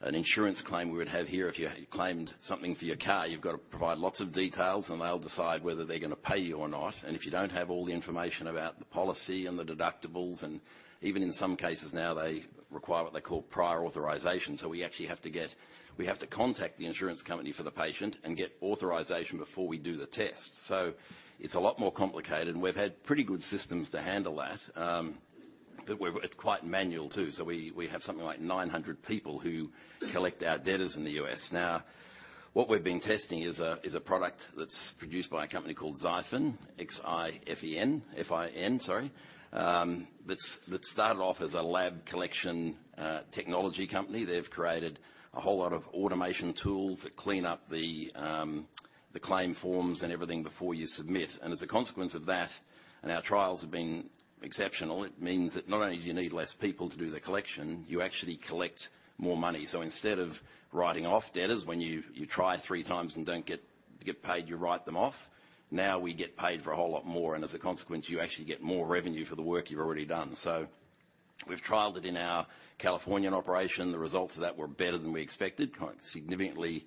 an insurance claim we would have here. If you claimed something for your car, you've got to provide lots of details, and they'll decide whether they're gonna pay you or not, and if you don't have all the information about the policy and the deductibles, and even in some cases now, they require what they call prior authorization. So we actually have to get... We have to contact the insurance company for the patient and get authorization before we do the test, so it's a lot more complicated, and we've had pretty good systems to handle that. But we're, it's quite manual, too, so we have something like 900 people who collect our debtors in the US. Now, what we've been testing is a product that's produced by a company called Xifin, X-I-F-I-N, sorry, that started off as a lab collection technology company. They've created a whole lot of automation tools that clean up the claim forms and everything before you submit, and as a consequence of that, and our trials have been exceptional, it means that not only do you need less people to do the collection, you actually collect more money. So instead of writing off debtors, when you try three times and don't get paid, you write them off. Now, we get paid for a whole lot more, and as a consequence, you actually get more revenue for the work you've already done. So we've trialed it in our Californian operation. The results of that were better than we expected, quite significantly,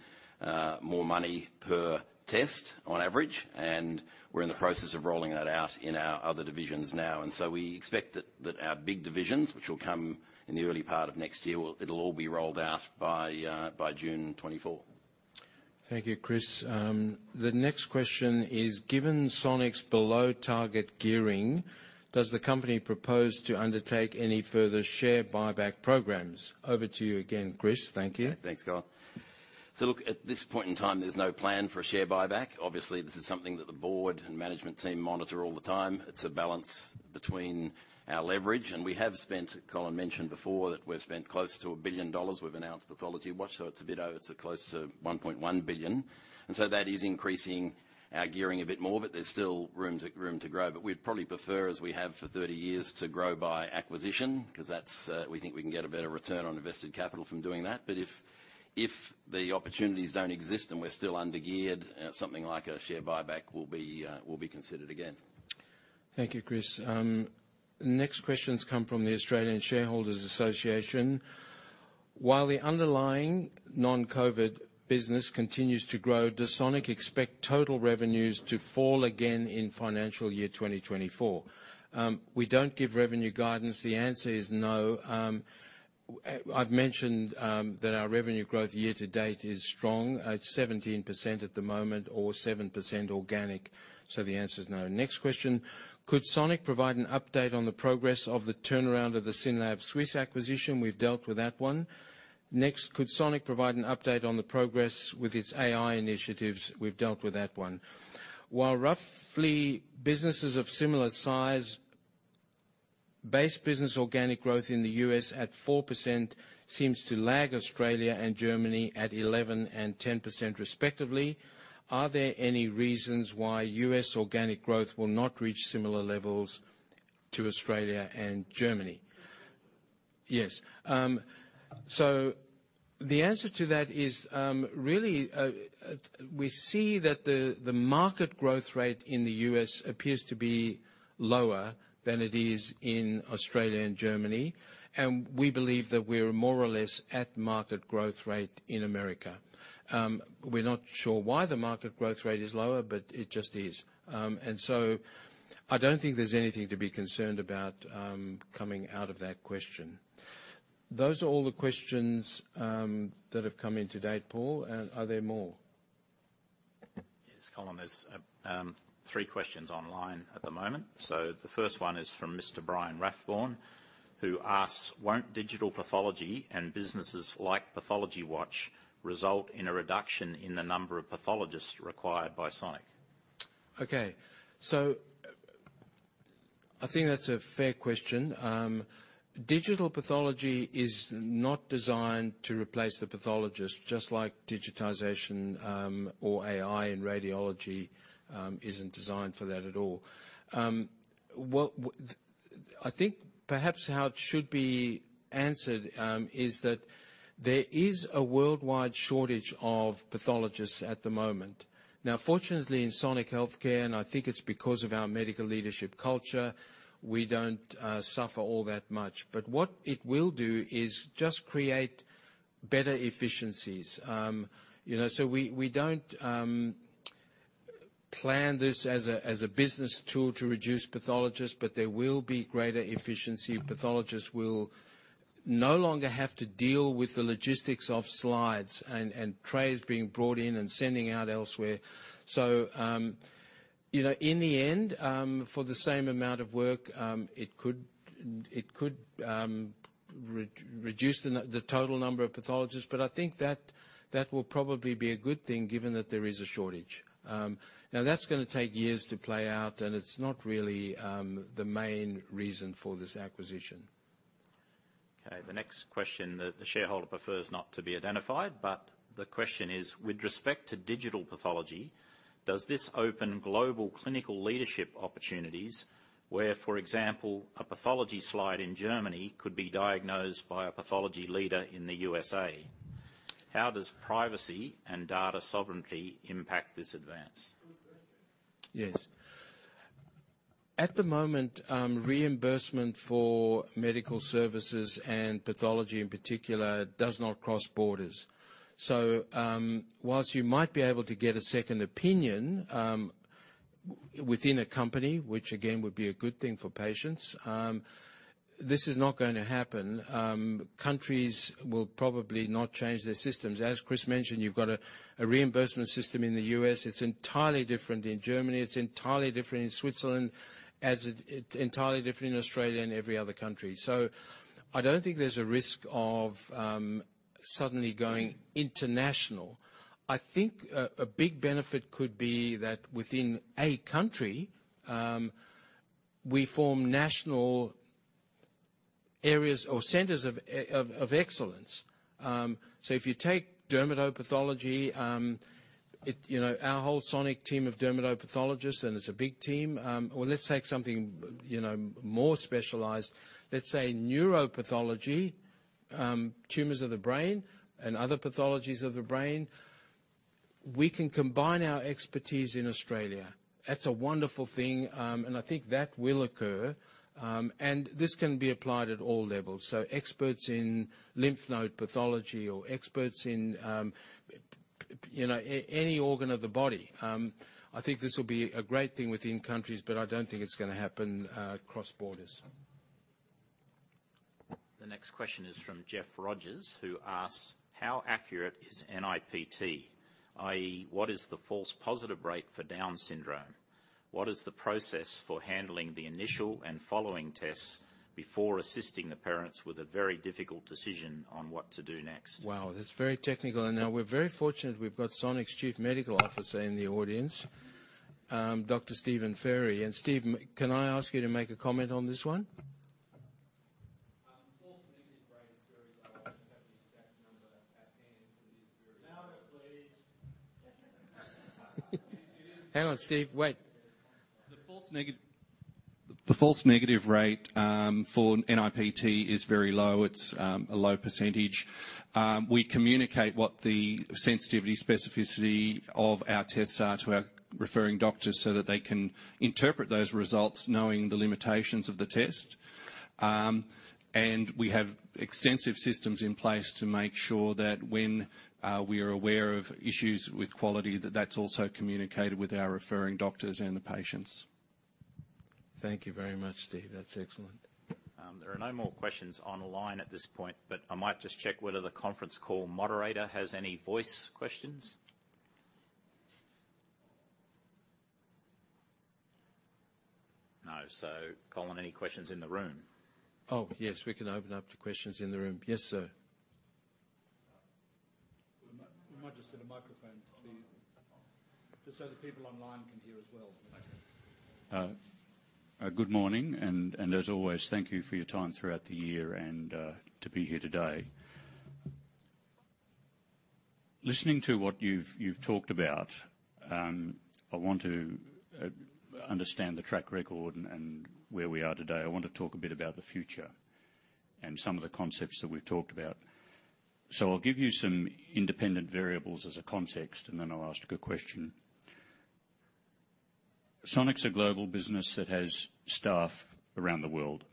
more money per test on average, and we're in the process of rolling that out in our other divisions now. So we expect that our big divisions, which will come in the early part of next year, will. It'll all be rolled out by June 2024. Thank you, Chris. The next question is, Given Sonic's below target gearing, does the company propose to undertake any further share buyback programs? Over to you again, Chris. Thank you. Thanks, Colin. So look, at this point in time, there's no plan for a share buyback. Obviously, this is something that the board and management team monitor all the time. It's a balance between our leverage, and we have spent, Colin mentioned before, that we've spent close to $1 billion with announced PathologyWatch, so it's a bit over, so close to $1.1 billion, and so that is increasing our gearing a bit more, but there's still room to, room to grow. But we'd probably prefer, as we have for 30 years, to grow by acquisition, 'cause that's, we think we can get a better return on invested capital from doing that. But if, if the opportunities don't exist, and we're still under-geared, something like a share buyback will be, will be considered again. Thank you, Chris. Next questions come from the Australian Shareholders Association. While the underlying non-COVID business continues to grow, does Sonic expect total revenues to fall again in financial year 2024? We don't give revenue guidance. The answer is no. I've mentioned that our revenue growth year to date is strong. It's 17% at the moment, or 7% organic, so the answer is no. Next question: Could Sonic provide an update on the progress of the turnaround of the SYNLAB Swiss acquisition? We've dealt with that one. Next, could Sonic provide an update on the progress with its AI initiatives? We've dealt with that one. While roughly businesses of similar size, base business organic growth in the U.S. at 4% seems to lag Australia and Germany at 11% and 10%, respectively. Are there any reasons why U.S. organic growth will not reach similar levels to Australia and Germany? Yes. So the answer to that is, really, we see that the market growth rate in the U.S. appears to be lower than it is in Australia and Germany, and we believe that we're more or less at market growth rate in America. We're not sure why the market growth rate is lower, but it just is. And so I don't think there's anything to be concerned about, coming out of that question. Those are all the questions that have come in to date, Paul. And are there more? Yes, Colin, there's three questions online at the moment. So the first one is from Mr. Brian Rathborne, who asks: Won't digital pathology and businesses like PathologyWatch result in a reduction in the number of pathologists required by Sonic? Okay, so I think that's a fair question. Digital pathology is not designed to replace the pathologist, just like digitization, or AI in radiology, isn't designed for that at all. I think perhaps how it should be answered is that there is a worldwide shortage of pathologists at the moment. Now, fortunately, in Sonic Healthcare, and I think it's because of our medical leadership culture, we don't suffer all that much. But what it will do is just create better efficiencies. You know, so we don't plan this as a business tool to reduce pathologists, but there will be greater efficiency. Pathologists will no longer have to deal with the logistics of slides and trays being brought in and sending out elsewhere. So, you know, in the end, for the same amount of work, it could reduce the total number of pathologists, but I think that will probably be a good thing, given that there is a shortage. Now, that's gonna take years to play out, and it's not really the main reason for this acquisition. Okay, the next question, the shareholder prefers not to be identified, but the question is: With respect to digital pathology, does this open global clinical leadership opportunities where, for example, a pathology slide in Germany could be diagnosed by a pathology leader in the USA? How does privacy and data sovereignty impact this advance? Yes. At the moment, reimbursement for medical services and pathology, in particular, does not cross borders. So, while you might be able to get a second opinion, within a company, which again, would be a good thing for patients, this is not going to happen. Countries will probably not change their systems. As Chris mentioned, you've got a reimbursement system in the U.S. It's entirely different in Germany, it's entirely different in Switzerland, it's entirely different in Australia and every other country. So I don't think there's a risk of suddenly going international. I think a big benefit could be that within a country, we form national areas or centers of excellence. So if you take dermatopathology, you know, our whole Sonic team of dermatopathologists, and it's a big team. Well, let's take something, you know, more specialized. Let's say neuropathology, tumors of the brain and other pathologies of the brain. We can combine our expertise in Australia. That's a wonderful thing, and I think that will occur. And this can be applied at all levels. So experts in lymph node pathology or experts in, you know, any organ of the body. I think this will be a great thing within countries, but I don't think it's gonna happen, across borders. The next question is from Jeff Rogers, who asks: How accurate is NIPT? i.e., what is the false positive rate for Down syndrome? What is the process for handling the initial and following tests before assisting the parents with a very difficult decision on what to do next? Wow, that's very technical. And now we're very fortunate, we've got Sonic's Chief Medical Officer in the audience, Dr. Stephen Fairy. And Steve, can I ask you to make a comment on this one? False negative rate is very low. I don't have the exact number at hand, but it's very- Louder, please. Hang on, Steve, wait. The false negative, the false negative rate, for NIPT is very low. It's a low percentage. We communicate what the sensitivity, specificity of our tests are to our referring doctors, so that they can interpret those results, knowing the limitations of the test.... and we have extensive systems in place to make sure that when we are aware of issues with quality, that that's also communicated with our referring doctors and the patients. Thank you very much, Steve. That's excellent. There are no more questions on the line at this point, but I might just check whether the conference call moderator has any voice questions. No. So, Colin, any questions in the room? Oh, yes, we can open up to questions in the room. Yes, sir. We might just get a microphone to you, just so the people online can hear as well. Thank you. Good morning, and as always, thank you for your time throughout the year and to be here today. Listening to what you've talked about, I want to understand the track record and where we are today. I want to talk a bit about the future and some of the concepts that we've talked about. So I'll give you some independent variables as a context, and then I'll ask a question. Sonic's a global business that has staff around the world,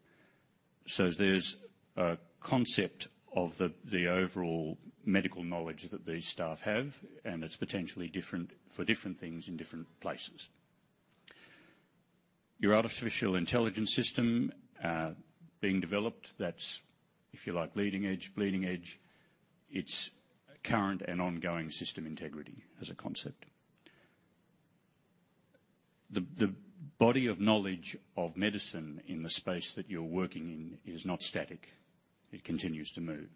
so there's a concept of the overall medical knowledge that these staff have, and it's potentially different for different things in different places. Your artificial intelligence system being developed, that's, if you like, leading edge, bleeding edge. It's current and ongoing system integrity as a concept. The body of knowledge of medicine in the space that you're working in is not static. It continues to move.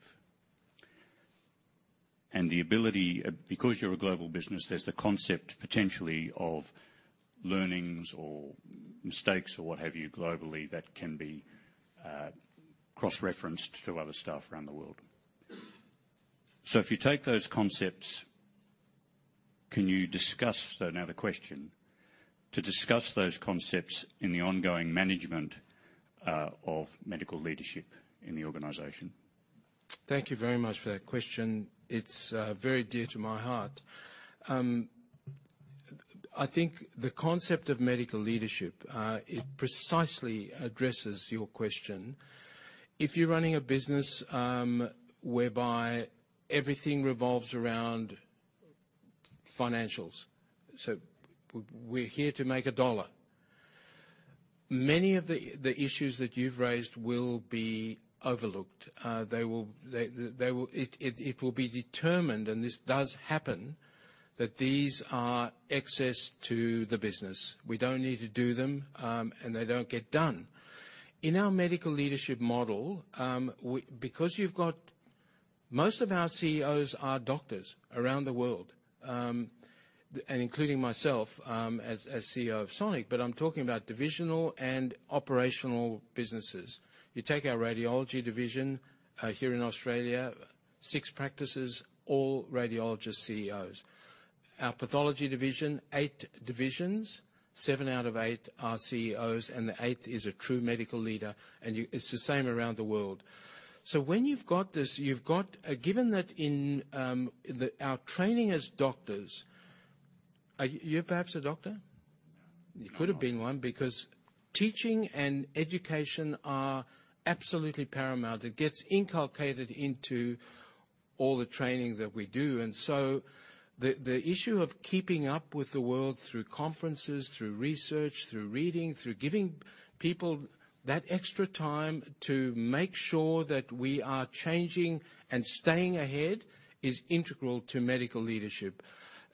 And the ability... Because you're a global business, there's the concept, potentially, of learnings or mistakes or what have you, globally, that can be cross-referenced to other staff around the world. So if you take those concepts, can you discuss - So now the question, to discuss those concepts in the ongoing management of Medical Leadership in the organization? Thank you very much for that question. It's very dear to my heart. I think the concept of Medical Leadership it precisely addresses your question. If you're running a business whereby everything revolves around financials, so we're here to make a dollar, many of the issues that you've raised will be overlooked. They will be determined, and this does happen, that these are excess to the business. We don't need to do them and they don't get done. In our Medical Leadership model, most of our CEOs are doctors around the world and including myself as CEO of Sonic, but I'm talking about divisional and operational businesses. You take our radiology division here in Australia, 6 practices, all radiologist CEOs. Our pathology division, eight divisions, seven out of eight are CEOs, and the 8th is a true medical leader, and you... It's the same around the world. So when you've got this, you've got a... Given that in our training as doctors, are you, perhaps a doctor? No. You could have been one, because teaching and education are absolutely paramount. It gets inculcated into all the training that we do, and so the issue of keeping up with the world through conferences, through research, through reading, through giving people that extra time to make sure that we are changing and staying ahead, is integral to medical leadership.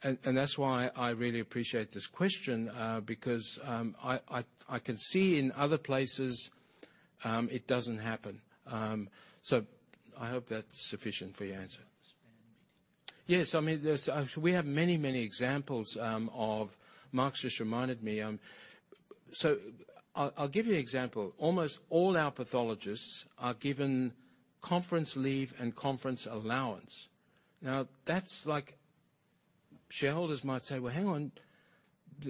And that's why I really appreciate this question, because I can see in other places, it doesn't happen. So I hope that's sufficient for your answer. SPAM meeting. Yes, I mean, there's... We have many, many examples of Mark just reminded me... So I'll, I'll give you an example. Almost all our pathologists are given conference leave and conference allowance. Now, that's like, shareholders might say, "Well, hang on,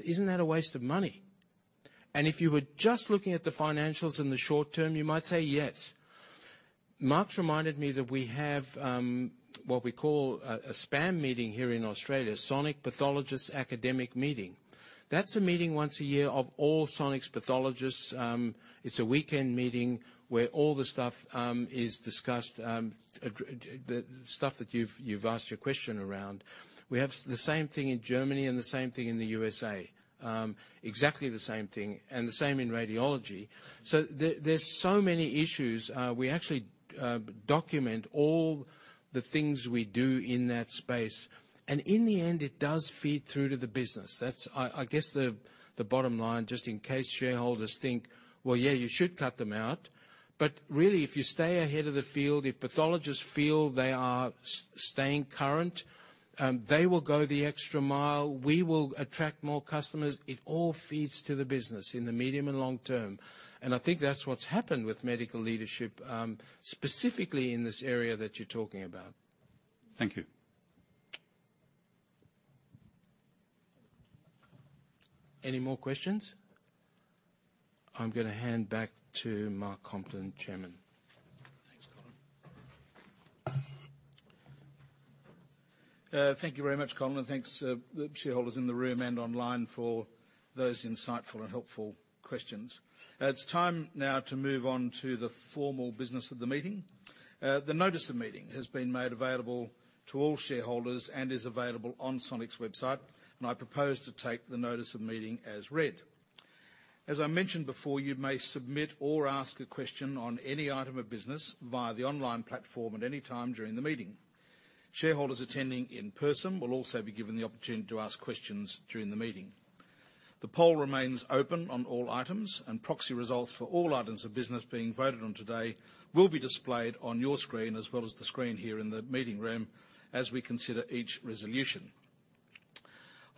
isn't that a waste of money?" And if you were just looking at the financials in the short term, you might say, yes. Mark's reminded me that we have what we call a SPAM meeting here in Australia, Sonic Pathologist Academic Meeting. That's a meeting once a year of all Sonic's pathologists. It's a weekend meeting where all the stuff is discussed, the stuff that you've, you've asked your question around. We have the same thing in Germany and the same thing in the USA, exactly the same thing, and the same in radiology. So there, there's so many issues. We actually document all the things we do in that space, and in the end, it does feed through to the business. That's, I guess, the bottom line, just in case shareholders think, "Well, yeah, you should cut them out." But really, if you stay ahead of the field, if pathologists feel they are staying current, they will go the extra mile. We will attract more customers. It all feeds to the business in the medium and long term. And I think that's what's happened with Medical Leadership, specifically in this area that you're talking about. Thank you. Any more questions? I'm gonna hand back to Mark Compton, Chairman. ... Thank you very much, Colin, and thanks to the shareholders in the room and online for those insightful and helpful questions. It's time now to move on to the formal business of the meeting. The notice of meeting has been made available to all shareholders and is available on Sonic's website, and I propose to take the notice of meeting as read. As I mentioned before, you may submit or ask a question on any item of business via the online platform at any time during the meeting. Shareholders attending in person will also be given the opportunity to ask questions during the meeting. The poll remains open on all items, and proxy results for all items of business being voted on today will be displayed on your screen, as well as the screen here in the meeting room as we consider each resolution.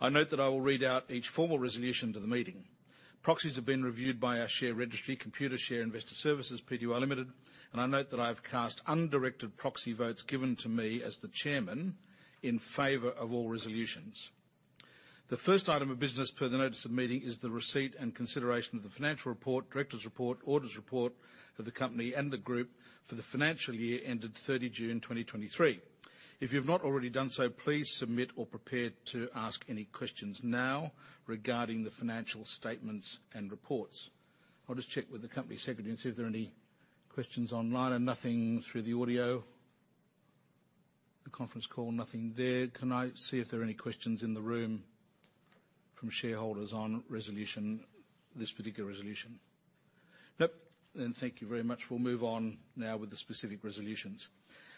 I note that I will read out each formal resolution to the meeting. Proxies have been reviewed by our share registry, Computershare, PTY Limited, and I note that I have cast undirected proxy votes given to me as the Chairman in favor of all resolutions. The first item of business per the notice of meeting is the receipt and consideration of the financial report, directors report, auditors report of the company and the group for the financial year ended June 30th, 2023. If you've not already done so, please submit or prepare to ask any questions now regarding the financial statements and reports. I'll just check with the company secretary and see if there are any questions online and nothing through the audio. The conference call, nothing there. Can I see if there are any questions in the room from shareholders on resolution, this particular resolution? Nope, then thank you very much. We'll move on now with the specific resolutions.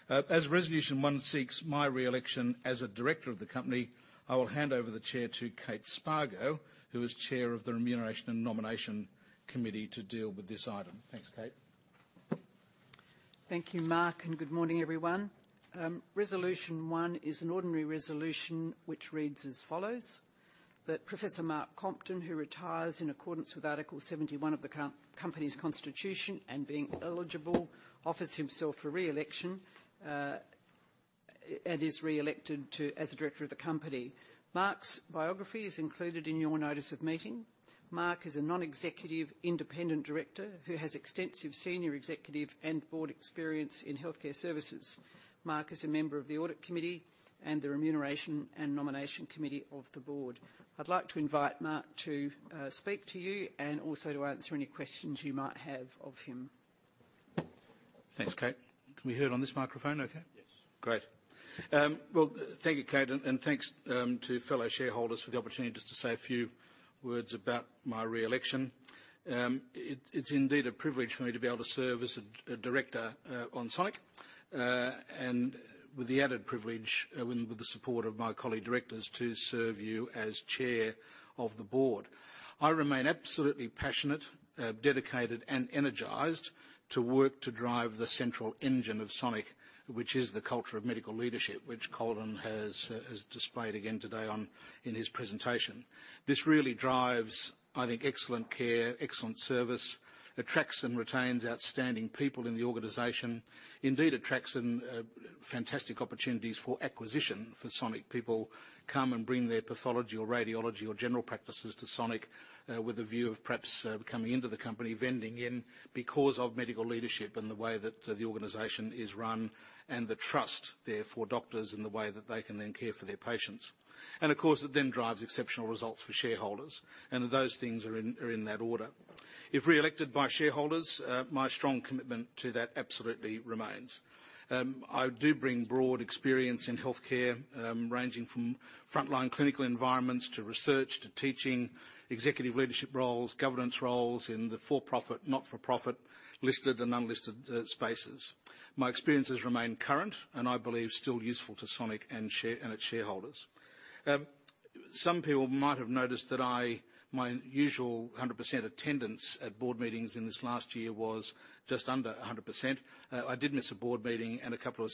As Resolution One seeks my re-election as a director of the company, I will hand over the chair to Kate Spargo, who is chair of the Remuneration and Nomination Committee, to deal with this item. Thanks, Kate. Thank you, Mark, and good morning, everyone. Resolution one is an ordinary resolution, which reads as follows: That Professor Mark Compton, who retires in accordance with Article 71 of the company's constitution and being eligible, offers himself for re-election, and is re-elected to... as a director of the company. Mark's biography is included in your notice of meeting. Mark is a non-executive independent director, who has extensive senior executive and board experience in healthcare services. Mark is a member of the audit committee and the Remuneration and Nomination Committee of the board. I'd like to invite Mark to speak to you and also to answer any questions you might have of him. Thanks, Kate. Can we hear it on this microphone okay? Yes. Great. Well, thank you, Kate, and thanks to fellow shareholders for the opportunity just to say a few words about my re-election. It is indeed a privilege for me to be able to serve as a director on Sonic, and with the added privilege, with the support of my colleague directors, to serve you as chair of the board. I remain absolutely passionate, dedicated, and energized to work to drive the central engine of Sonic, which is the culture of medical leadership, which Colin has displayed again today in his presentation. This really drives, I think, excellent care, excellent service, attracts and retains outstanding people in the organization, indeed, attracts some fantastic opportunities for acquisition for Sonic. People come and bring their pathology, or radiology, or general practices to Sonic, with a view of perhaps, coming into the company, vending in, because of Medical Leadership and the way that the organization is run, and the trust therefore, doctors and the way that they can then care for their patients. Of course, it then drives exceptional results for shareholders, and those things are in that order. If re-elected by shareholders, my strong commitment to that absolutely remains. I do bring broad experience in healthcare, ranging from frontline clinical environments, to research, to teaching, executive leadership roles, governance roles in the for-profit, not-for-profit, listed and unlisted, spaces. My experiences remain current, and I believe, still useful to Sonic and its shareholders. Some people might have noticed that my usual 100% attendance at board meetings in this last year was just under 100%. I did miss a board meeting and a couple of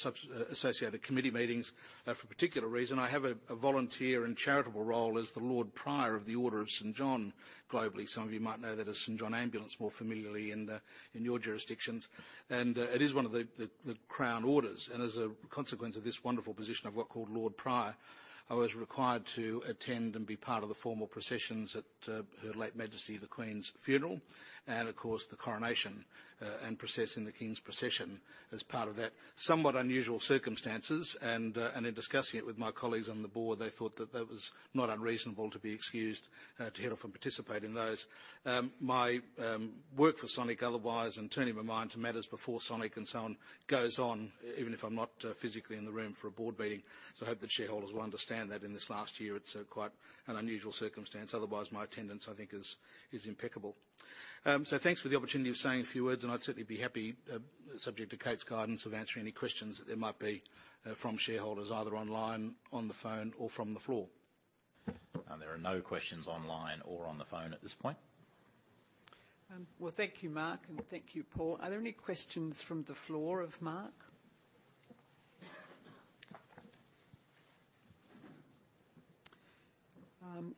associated committee meetings for a particular reason. I have a volunteer and charitable role as the Lord Prior of the Order of St. John globally. Some of you might know that as St. John Ambulance, more familiarly in the, in your jurisdictions, and it is one of the Crown Orders. And as a consequence of this wonderful position of what called Lord Prior, I was required to attend and be part of the formal processions at Her Late Majesty, the Queen's funeral, and of course, the coronation, and process in the King's procession as part of that. Somewhat unusual circumstances, and in discussing it with my colleagues on the board, they thought that that was not unreasonable to be excused, to head off and participate in those. My work for Sonic otherwise and turning my mind to matters before Sonic and so on, goes on, even if I'm not physically in the room for a board meeting. So I hope that shareholders will understand that in this last year, it's quite an unusual circumstance. Otherwise, my attendance, I think, is impeccable. So thanks for the opportunity of saying a few words, and I'd certainly be happy, subject to Kate's guidance, of answering any questions that there might be from shareholders, either online, on the phone, or from the floor. There are no questions online or on the phone at this point. Well, thank you, Mark, and thank you, Paul. Are there any questions from the floor for Mark?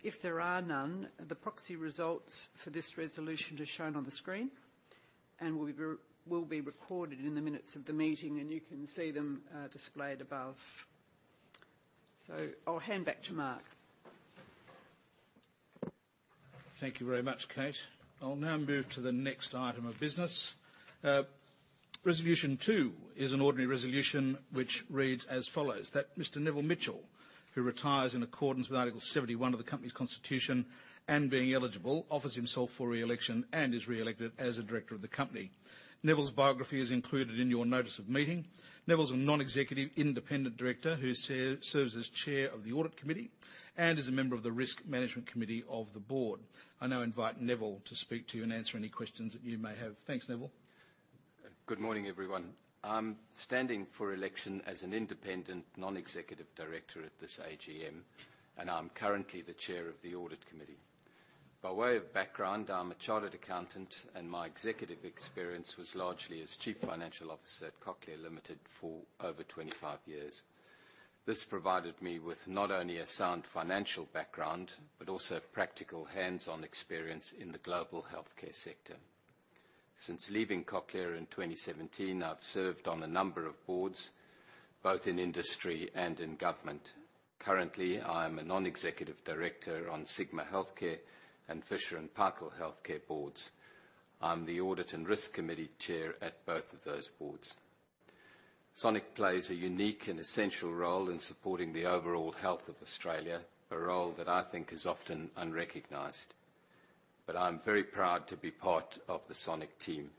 If there are none, the proxy results for this resolution are shown on the screen and will be recorded in the minutes of the meeting, and you can see them displayed above. So I'll hand back to Mark.... Thank you very much, Kate. I'll now move to the next item of business. Resolution two is an ordinary resolution which reads as follows: That Mr Neville Mitchell, who retires in accordance with Article 71 of the company's constitution, and being eligible, offers himself for re-election and is re-elected as a director of the company. Neville's biography is included in your notice of meeting. Neville's a non-executive independent director, who serves as chair of the Audit Committee and is a member of the Risk Management Committee of the board. I now invite Neville to speak to you and answer any questions that you may have. Thanks, Neville. Good morning, everyone. I'm standing for election as an independent Non-Executive Director at this AGM, and I'm currently the Chair of the Audit Committee. By way of background, I'm a chartered accountant, and my executive experience was largely as Chief Financial Officer at Cochlear Limited for over 25 years. This provided me with not only a sound financial background, but also practical hands-on experience in the global healthcare sector. Since leaving Cochlear in 2017, I've served on a number of boards, both in industry and in government. Currently, I am a Non-Executive Director on the Sigma Healthcare and Fisher & Paykel Healthcare boards. I'm the Audit and Risk Committee Chair at both of those boards. Sonic plays a unique and essential role in supporting the overall health of Australia, a role that I think is often unrecognized, but I'm very proud to be part of the Sonic team.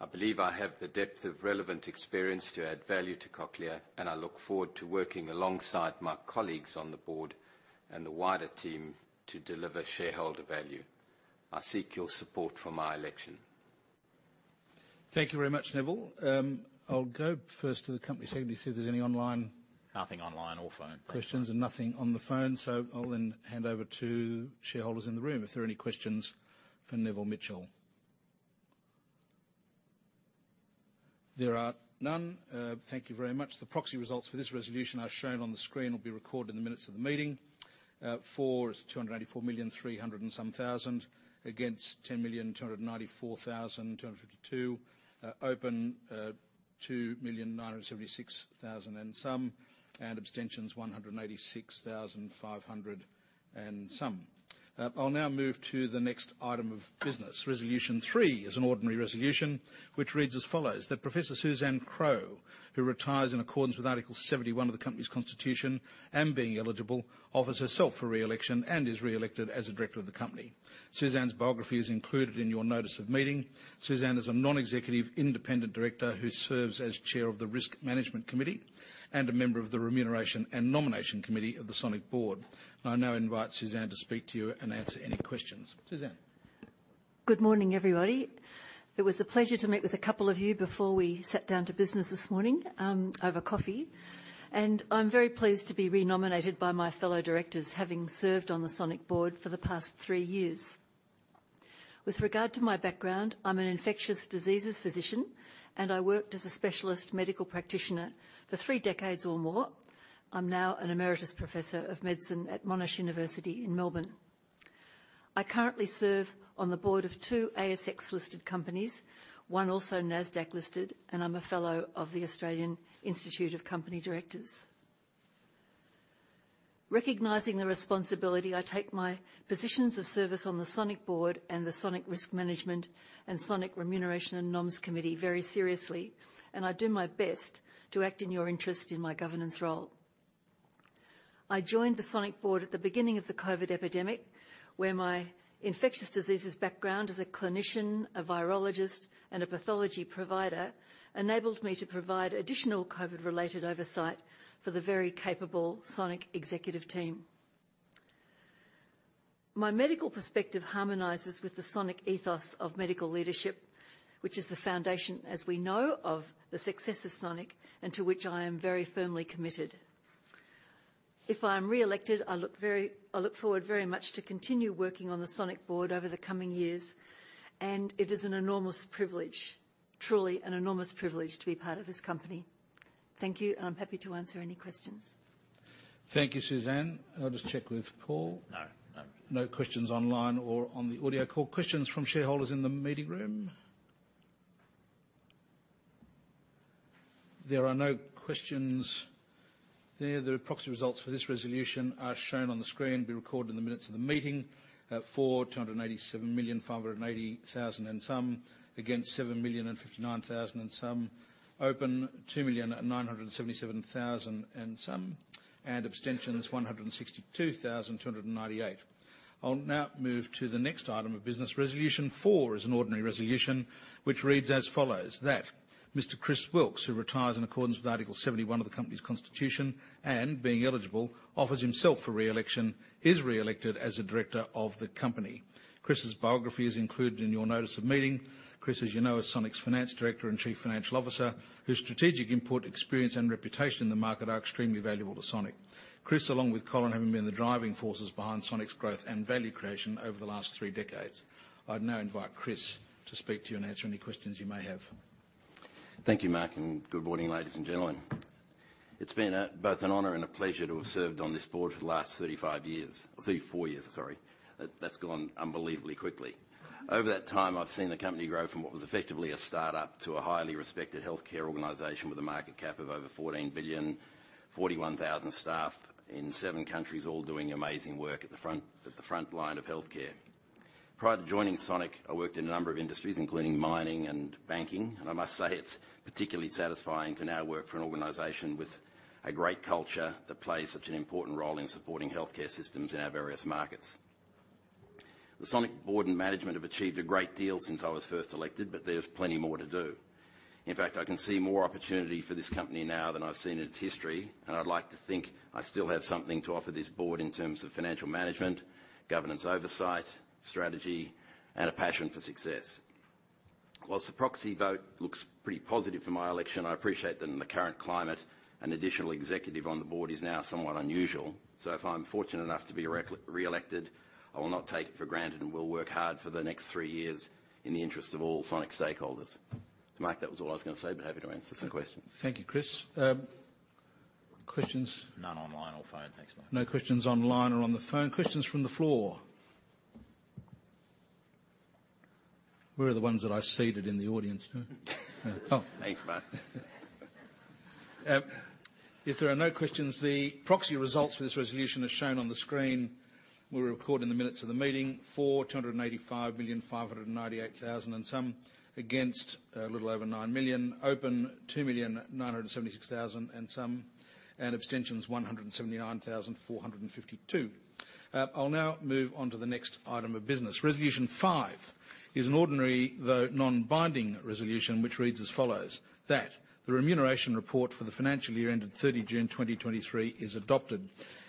I believe I have the depth of relevant experience to add value to Cochlear, and I look forward to working alongside my colleagues on the board and the wider team to deliver shareholder value. I seek your support for my election. Thank you very much, Neville. I'll go first to the company secretary to see if there's any online- Nothing online or phone. Questions, and nothing on the phone, so I'll then hand over to shareholders in the room if there are any questions for Neville Mitchell. There are none. Thank you very much. The proxy results for this resolution are shown on the screen, will be recorded in the minutes of the meeting. For 284,300,000, against 10,294,252. Open, 2,976,000, and abstentions 186,500 and some. I'll now move to the next item of business. Resolution three is an ordinary resolution, which reads as follows: That Professor Suzanne Crowe, who retires in accordance with Article 71 of the company's constitution, and being eligible, offers herself for re-election and is re-elected as a director of the company. Suzanne's biography is included in your notice of meeting. Suzanne is a non-executive independent director who serves as Chair of the Risk Management Committee and a member of the Remuneration and Nomination Committee of the Sonic Board. I now invite Suzanne to speak to you and answer any questions. Suzanne? Good morning, everybody. It was a pleasure to meet with a couple of you before we sat down to business this morning, over coffee, and I'm very pleased to be re-nominated by my fellow directors, having served on the Sonic board for the past three years. With regard to my background, I'm an infectious diseases physician, and I worked as a specialist medical practitioner for three decades or more. I'm now an emeritus professor of medicine at Monash University in Melbourne. I currently serve on the board of two ASX-listed companies, one also NASDAQ-listed, and I'm a fellow of the Australian Institute of Company Directors. Recognizing the responsibility, I take my positions of service on the Sonic board and the Sonic Risk Management and Sonic Remuneration and Noms Committee very seriously, and I do my best to act in your interest in my governance role. I joined the Sonic board at the beginning of the COVID epidemic, where my infectious diseases background as a clinician, a virologist, and a pathology provider enabled me to provide additional COVID-related oversight for the very capable Sonic executive team. My medical perspective harmonizes with the Sonic ethos of medical leadership, which is the foundation, as we know, of the success of Sonic, and to which I am very firmly committed. If I am re-elected, I look forward very much to continue working on the Sonic board over the coming years, and it is an enormous privilege, truly an enormous privilege, to be part of this company. Thank you, and I'm happy to answer any questions. Thank you, Suzanne. I'll just check with Paul. No, no. No questions online or on the audio call. Questions from shareholders in the meeting room? There are no questions there. The proxy results for this resolution are shown on the screen, be recorded in the minutes of the meeting. For 287,580,000, against 7,059,000. Open, 2,977,000, and abstentions, 162,298. I'll now move to the next item of business. Resolution 4 is an ordinary resolution, which reads as follows: That Mr Chris Wilks, who retires in accordance with Article 71 of the company's constitution and, being eligible, offers himself for re-election, is re-elected as a director of the company. Chris's biography is included in your notice of meeting. Chris, as you know, is Sonic's finance director and chief financial officer, whose strategic input, experience, and reputation in the market are extremely valuable to Sonic. Chris, along with Colin, have been the driving forces behind Sonic's growth and value creation over the last three decades. I'd now invite Chris to speak to you and answer any questions you may have. Thank you, Mark, and good morning, ladies and gentlemen. It's been a, both an honor and a pleasure to have served on this board for the last 35 years, 34 years, sorry. That's gone unbelievably quickly. Over that time, I've seen the company grow from what was effectively a start-up to a highly respected healthcare organization with a market cap of over 14 billion, 41,000 staff in 7 countries, all doing amazing work at the front, at the front line of healthcare. Prior to joining Sonic, I worked in a number of industries, including mining and banking, and I must say it's particularly satisfying to now work for an organization with a great culture that plays such an important role in supporting healthcare systems in our various markets. The Sonic board and management have achieved a great deal since I was first elected, but there's plenty more to do. In fact, I can see more opportunity for this company now than I've seen in its history, and I'd like to think I still have something to offer this board in terms of financial management, governance oversight, strategy, and a passion for success. While the proxy vote looks pretty positive for my election, I appreciate that in the current climate, an additional executive on the board is now somewhat unusual. So if I'm fortunate enough to be re-elected, I will not take it for granted and will work hard for the next three years in the interest of all Sonic stakeholders. Mark, that was all I was gonna say, but happy to answer some questions. Thank you, Chris. Questions? None online or phone. Thanks, Mark. No questions online or on the phone. Questions from the floor? Where are the ones that I seated in the audience, huh? Oh, thanks, Mark. If there are no questions, the proxy results for this resolution is shown on the screen. We'll record in the minutes of the meeting, for 285,598,000 and some. Against, little over 9,000,000. Open, 2,976,000 and some. And abstentions, 179,452. I'll now move on to the next item of business. Resolution five is an ordinary, though non-binding, resolution, which reads as follows, "That the remuneration report for the financial year-ended June 30th, 2023 is adopted."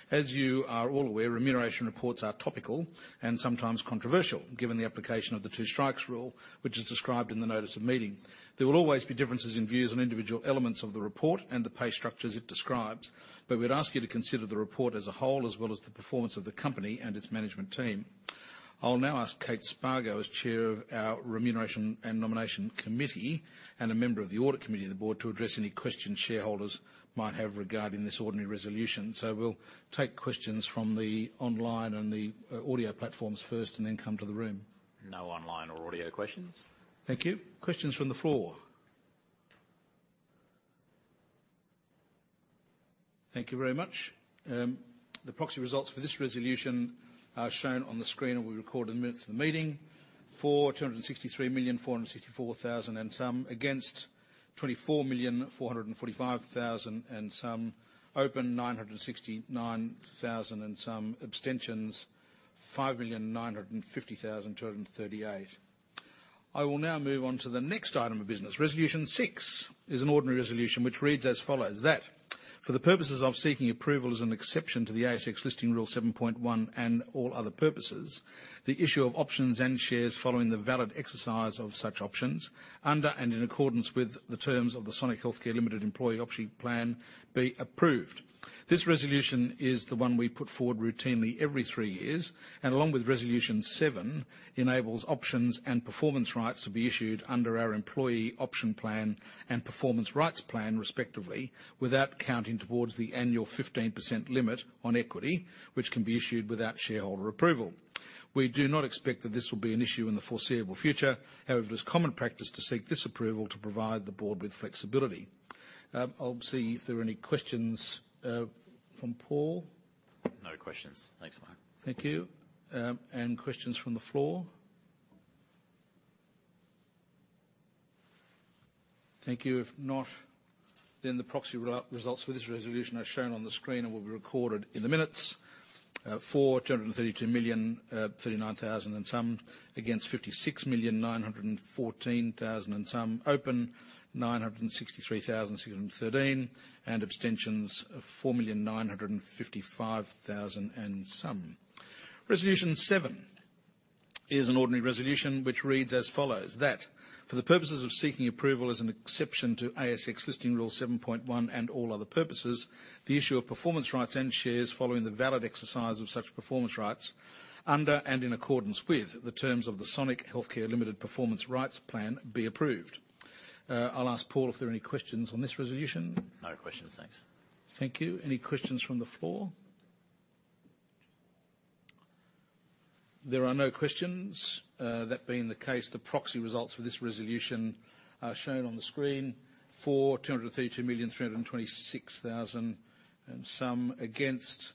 As you are all aware, remuneration reports are topical and sometimes controversial, given the application of the two strikes rule, which is described in the notice of meeting. There will always be differences in views on individual elements of the report and the pay structures it describes, but we'd ask you to consider the report as a whole, as well as the performance of the company and its management team. I'll now ask Kate Spargo, as Chair of our Remuneration and Nomination Committee, and a member of the Audit Committee of the board, to address any questions shareholders might have regarding this ordinary resolution. We'll take questions from the online and the audio platforms first, and then come to the room. No online or audio questions. Thank you. Questions from the floor? Thank you very much. The proxy results for this resolution are shown on the screen, and we record in the minutes of the meeting, for 263,464,000 and some. Against, 24,445,000 and some. Open, 969,000 and some. Abstentions, 5,950,238. I will now move on to the next item of business. Resolution six is an ordinary resolution, which reads as follows: "That for the purposes of seeking approval as an exception to the ASX Listing Rule 7.1, and all other purposes, the issue of options and shares following the valid exercise of such options, under and in accordance with the terms of the Sonic Healthcare Limited Employee Option Plan, be approved." This resolution is the one we put forward routinely every three years, and along with Resolution seven, enables options and performance rights to be issued under our employee option plan and performance rights plan, respectively, without counting towards the annual 15% limit on equity, which can be issued without shareholder approval. We do not expect that this will be an issue in the foreseeable future. However, it is common practice to seek this approval to provide the board with flexibility. I'll see if there are any questions from Paul. No questions. Thanks, Mark. Thank you. And questions from the floor? Thank you. If not, then the proxy results for this resolution are shown on the screen and will be recorded in the minutes. For 232,039,000, and some. Against 56,914,000, and some. Open, 963,613. And abstentions of 4,955,000, and some. Resolution seven is an ordinary resolution, which reads as follows: "That for the purposes of seeking approval as an exception to ASX Listing Rule 7.1, and all other purposes, the issue of performance rights and shares following the valid exercise of such performance rights, under and in accordance with the terms of the Sonic Healthcare Limited Performance Rights Plan, be approved." I'll ask Paul if there are any questions on this resolution. No questions, thanks. Thank you. Any questions from the floor? There are no questions. That being the case, the proxy results for this resolution are shown on the screen. For 232,326,000, and some. Against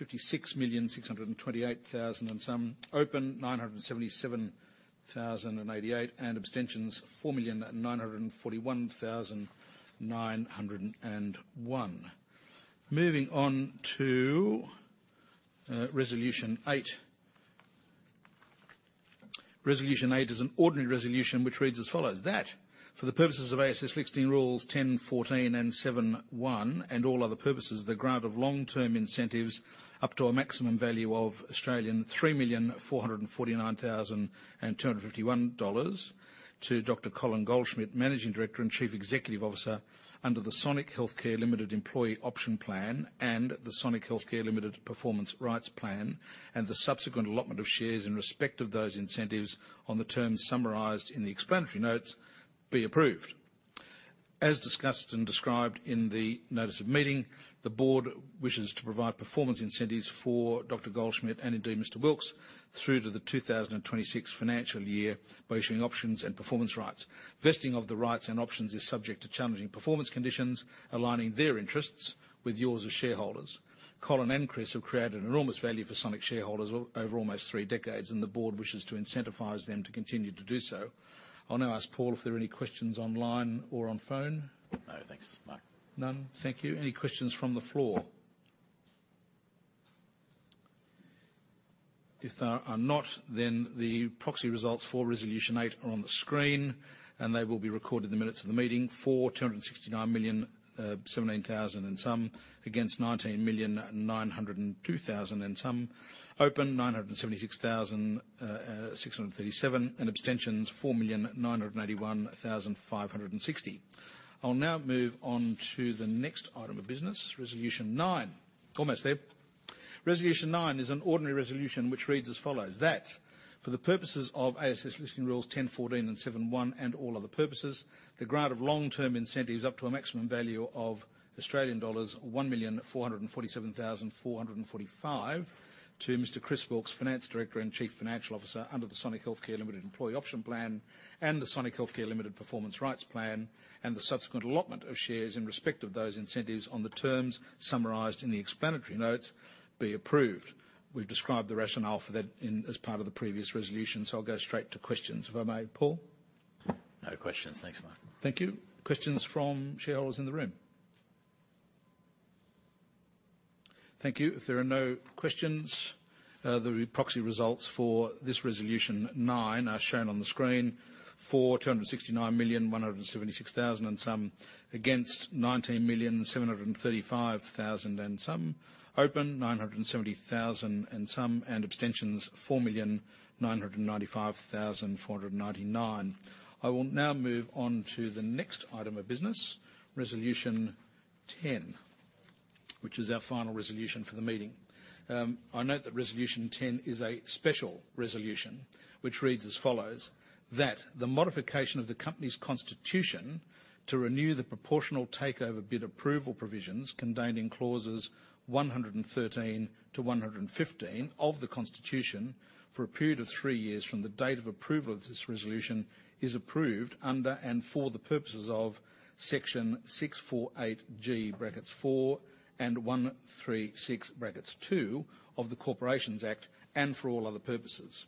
56,628,000, and some. Open, 977,088. And abstentions, 4,941,901. Moving on to resolution eight. Resolution eight is an ordinary resolution, which reads as follows: "That for the purposes of ASX Listing Rules 10.14 and 7.1, and all other purposes, the grant of long-term incentives up to a maximum value of 3,449,251 Australian dollars, to Dr. Colin Goldschmidt, Managing Director and Chief Executive Officer, under the Sonic Healthcare Limited Employee Option Plan and the Sonic Healthcare Limited Performance Rights Plan, and the subsequent allotment of shares in respect of those incentives on the terms summarized in the explanatory notes, be approved. As discussed and described in the notice of meeting, the board wishes to provide performance incentives for Dr. Goldschmidt and indeed, Mr. Wilks, through to the 2026 financial year by issuing options and performance rights. Vesting of the rights and options is subject to challenging performance conditions, aligning their interests with yours as shareholders. Colin and Chris have created an enormous value for Sonic shareholders over almost three decades, and the board wishes to incentivize them to continue to do so. I'll now ask Paul if there are any questions online or on phone. No, thanks, Mark. None? Thank you. Any questions from the floor? If there are not, then the proxy results for Resolution eight are on the screen, and they will be recorded in the minutes of the meeting. For 269,017,000, against 19,902,000. Open, 976,637, and abstentions, 4,981,560. I'll now move on to the next item of business, Resolution nine. Almost there. Resolution nine is an ordinary resolution which reads as follows: That for the purposes of ASX Listing Rules 10.14 and 7.1 and all other purposes, the grant of long-term incentives up to a maximum value of Australian dollars 1,447,445 to Mr. Chris Wilks, Finance Director and Chief Financial Officer, under the Sonic Healthcare Limited Employee Option Plan and the Sonic Healthcare Limited Performance Rights Plan, and the subsequent allotment of shares in respect of those incentives on the terms summarized in the explanatory notes, be approved. We've described the rationale for that as part of the previous resolution, so I'll go straight to questions, if I may. Paul? No questions. Thanks, Mark. Thank you. Questions from shareholders in the room? Thank you. If there are no questions, the proxy results for this Resolution nine are shown on the screen. For 269,176,000, and some, against 19,735,000, and some. Open, 970,000, and some, and abstentions, 4,995,499. I will now move on to the next item of business, Resolution 10, which is our final resolution for the meeting. I note that Resolution 10 is a special resolution, which reads as follows: That the modification of the company's constitution to renew the proportional takeover bid approval provisions contained in clauses 113 to 115 of the Constitution for a period of three years from the date of approval of this resolution is approved under and for the purposes of Section 648G(4) and 136(2) of the Corporations Act, and for all other purposes.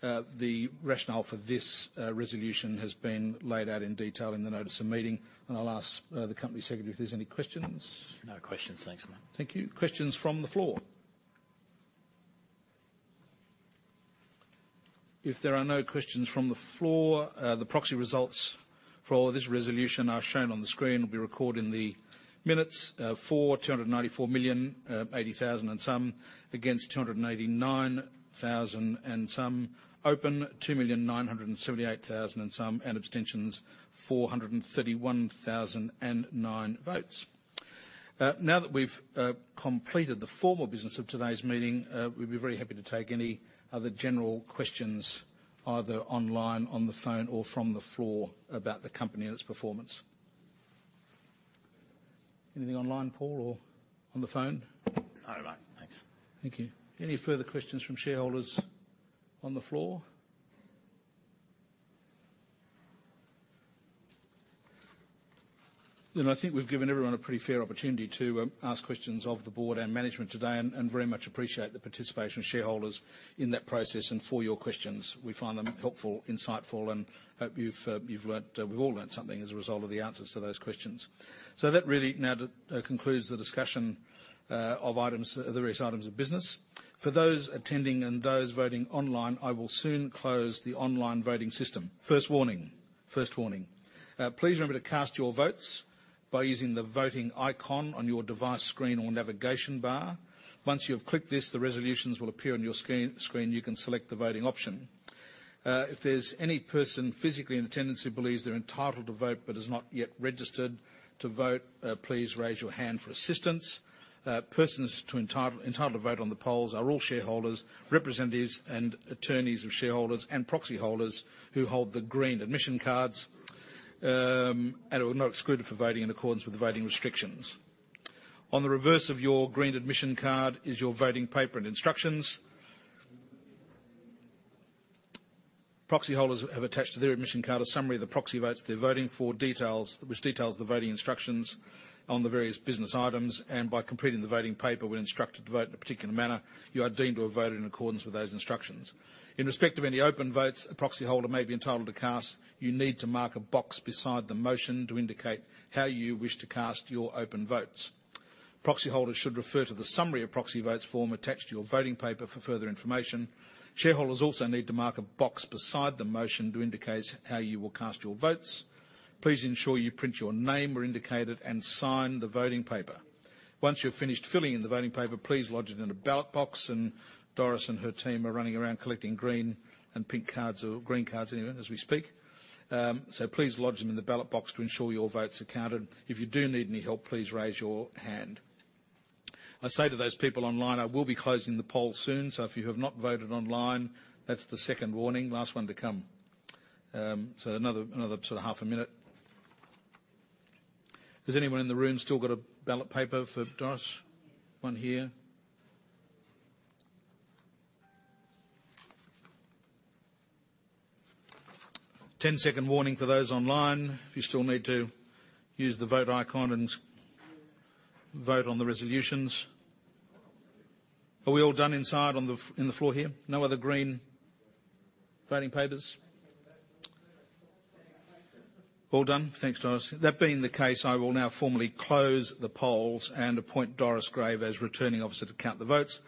The rationale for this resolution has been laid out in detail in the notice of meeting, and I'll ask the company secretary if there's any questions. No questions. Thanks, Mark. Thank you. Questions from the floor? If there are no questions from the floor, the proxy results for this resolution are shown on the screen, will be recorded in the minutes. For 294,080,000 and some against 289,000 and some. Open, 2,978,000 and some, and abstentions, 431,009 votes. Now that we've completed the formal business of today's meeting, we'd be very happy to take any other general questions, either online, on the phone, or from the floor, about the company and its performance. Anything online, Paul, or on the phone? No, Mark. Thanks. Thank you. Any further questions from shareholders on the floor? Then I think we've given everyone a pretty fair opportunity to ask questions of the board and management today, and very much appreciate the participation of shareholders in that process and for your questions. We find them helpful, insightful, and hope you've learned, we've all learned something as a result of the answers to those questions. So that really now to concludes the discussion of items, the various items of business. For those attending and those voting online, I will soon close the online voting system. First warning. First warning. Please remember to cast your votes by using the Voting icon on your device screen or navigation bar. Once you have clicked this, the resolutions will appear on your screen. You can select the voting option. If there's any person physically in attendance who believes they're entitled to vote but is not yet registered to vote, please raise your hand for assistance. Persons entitled to vote on the polls are all shareholders, representatives, and attorneys of shareholders and proxy holders who hold the green admission cards, and are not excluded from voting in accordance with the voting restrictions. On the reverse of your green admission card is your voting paper and instructions. Proxy holders have attached to their admission card a summary of the proxy votes they're voting for, which details the voting instructions on the various business items, and by completing the voting paper, we're instructed to vote in a particular manner, you are deemed to have voted in accordance with those instructions. In respect of any open votes a proxy holder may be entitled to cast, you need to mark a box beside the motion to indicate how you wish to cast your open votes. Proxy holders should refer to the summary of proxy votes form attached to your voting paper for further information. Shareholders also need to mark a box beside the motion to indicate how you will cast your votes. Please ensure you print your name where indicated, and sign the voting paper. Once you've finished filling in the voting paper, please lodge it in the ballot box, and Doris and her team are running around collecting green and pink cards or green cards anyway, as we speak. So please lodge them in the ballot box to ensure your votes are counted. If you do need any help, please raise your hand. I say to those people online, I will be closing the poll soon, so if you have not voted online, that's the second warning. Last one to come. So another sort of half a minute. Has anyone in the room still got a ballot paper for Doris? One here. 10-second warning for those online, if you still need to use the Vote icon and vote on the resolutions. Are we all done inside on the floor here? No other green voting papers? All done. Thanks, Doris. That being the case, I will now formally close the polls and appoint Doris Grave as Returning Officer to count the votes.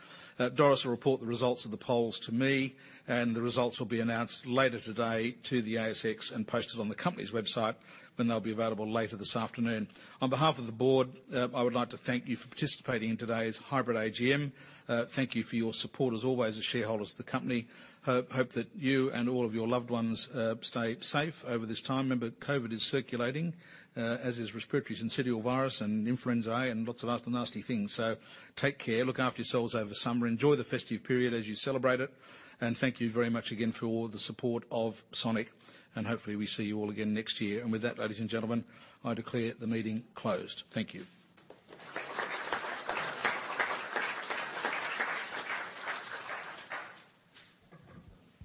Doris will report the results of the polls to me, and the results will be announced later today to the ASX and posted on the company's website, when they'll be available later this afternoon. On behalf of the board, I would like to thank you for participating in today's hybrid AGM. Thank you for your support, as always, as shareholders of the company. Hope, hope that you and all of your loved ones stay safe over this time. Remember, COVID is circulating, as is respiratory syncytial virus and influenza A, and lots of other nasty things, so take care. Look after yourselves over the summer. Enjoy the festive period as you celebrate it, and thank you very much again for all the support of Sonic, and hopefully, we see you all again next year. And with that, ladies and gentlemen, I declare the meeting closed. Thank you.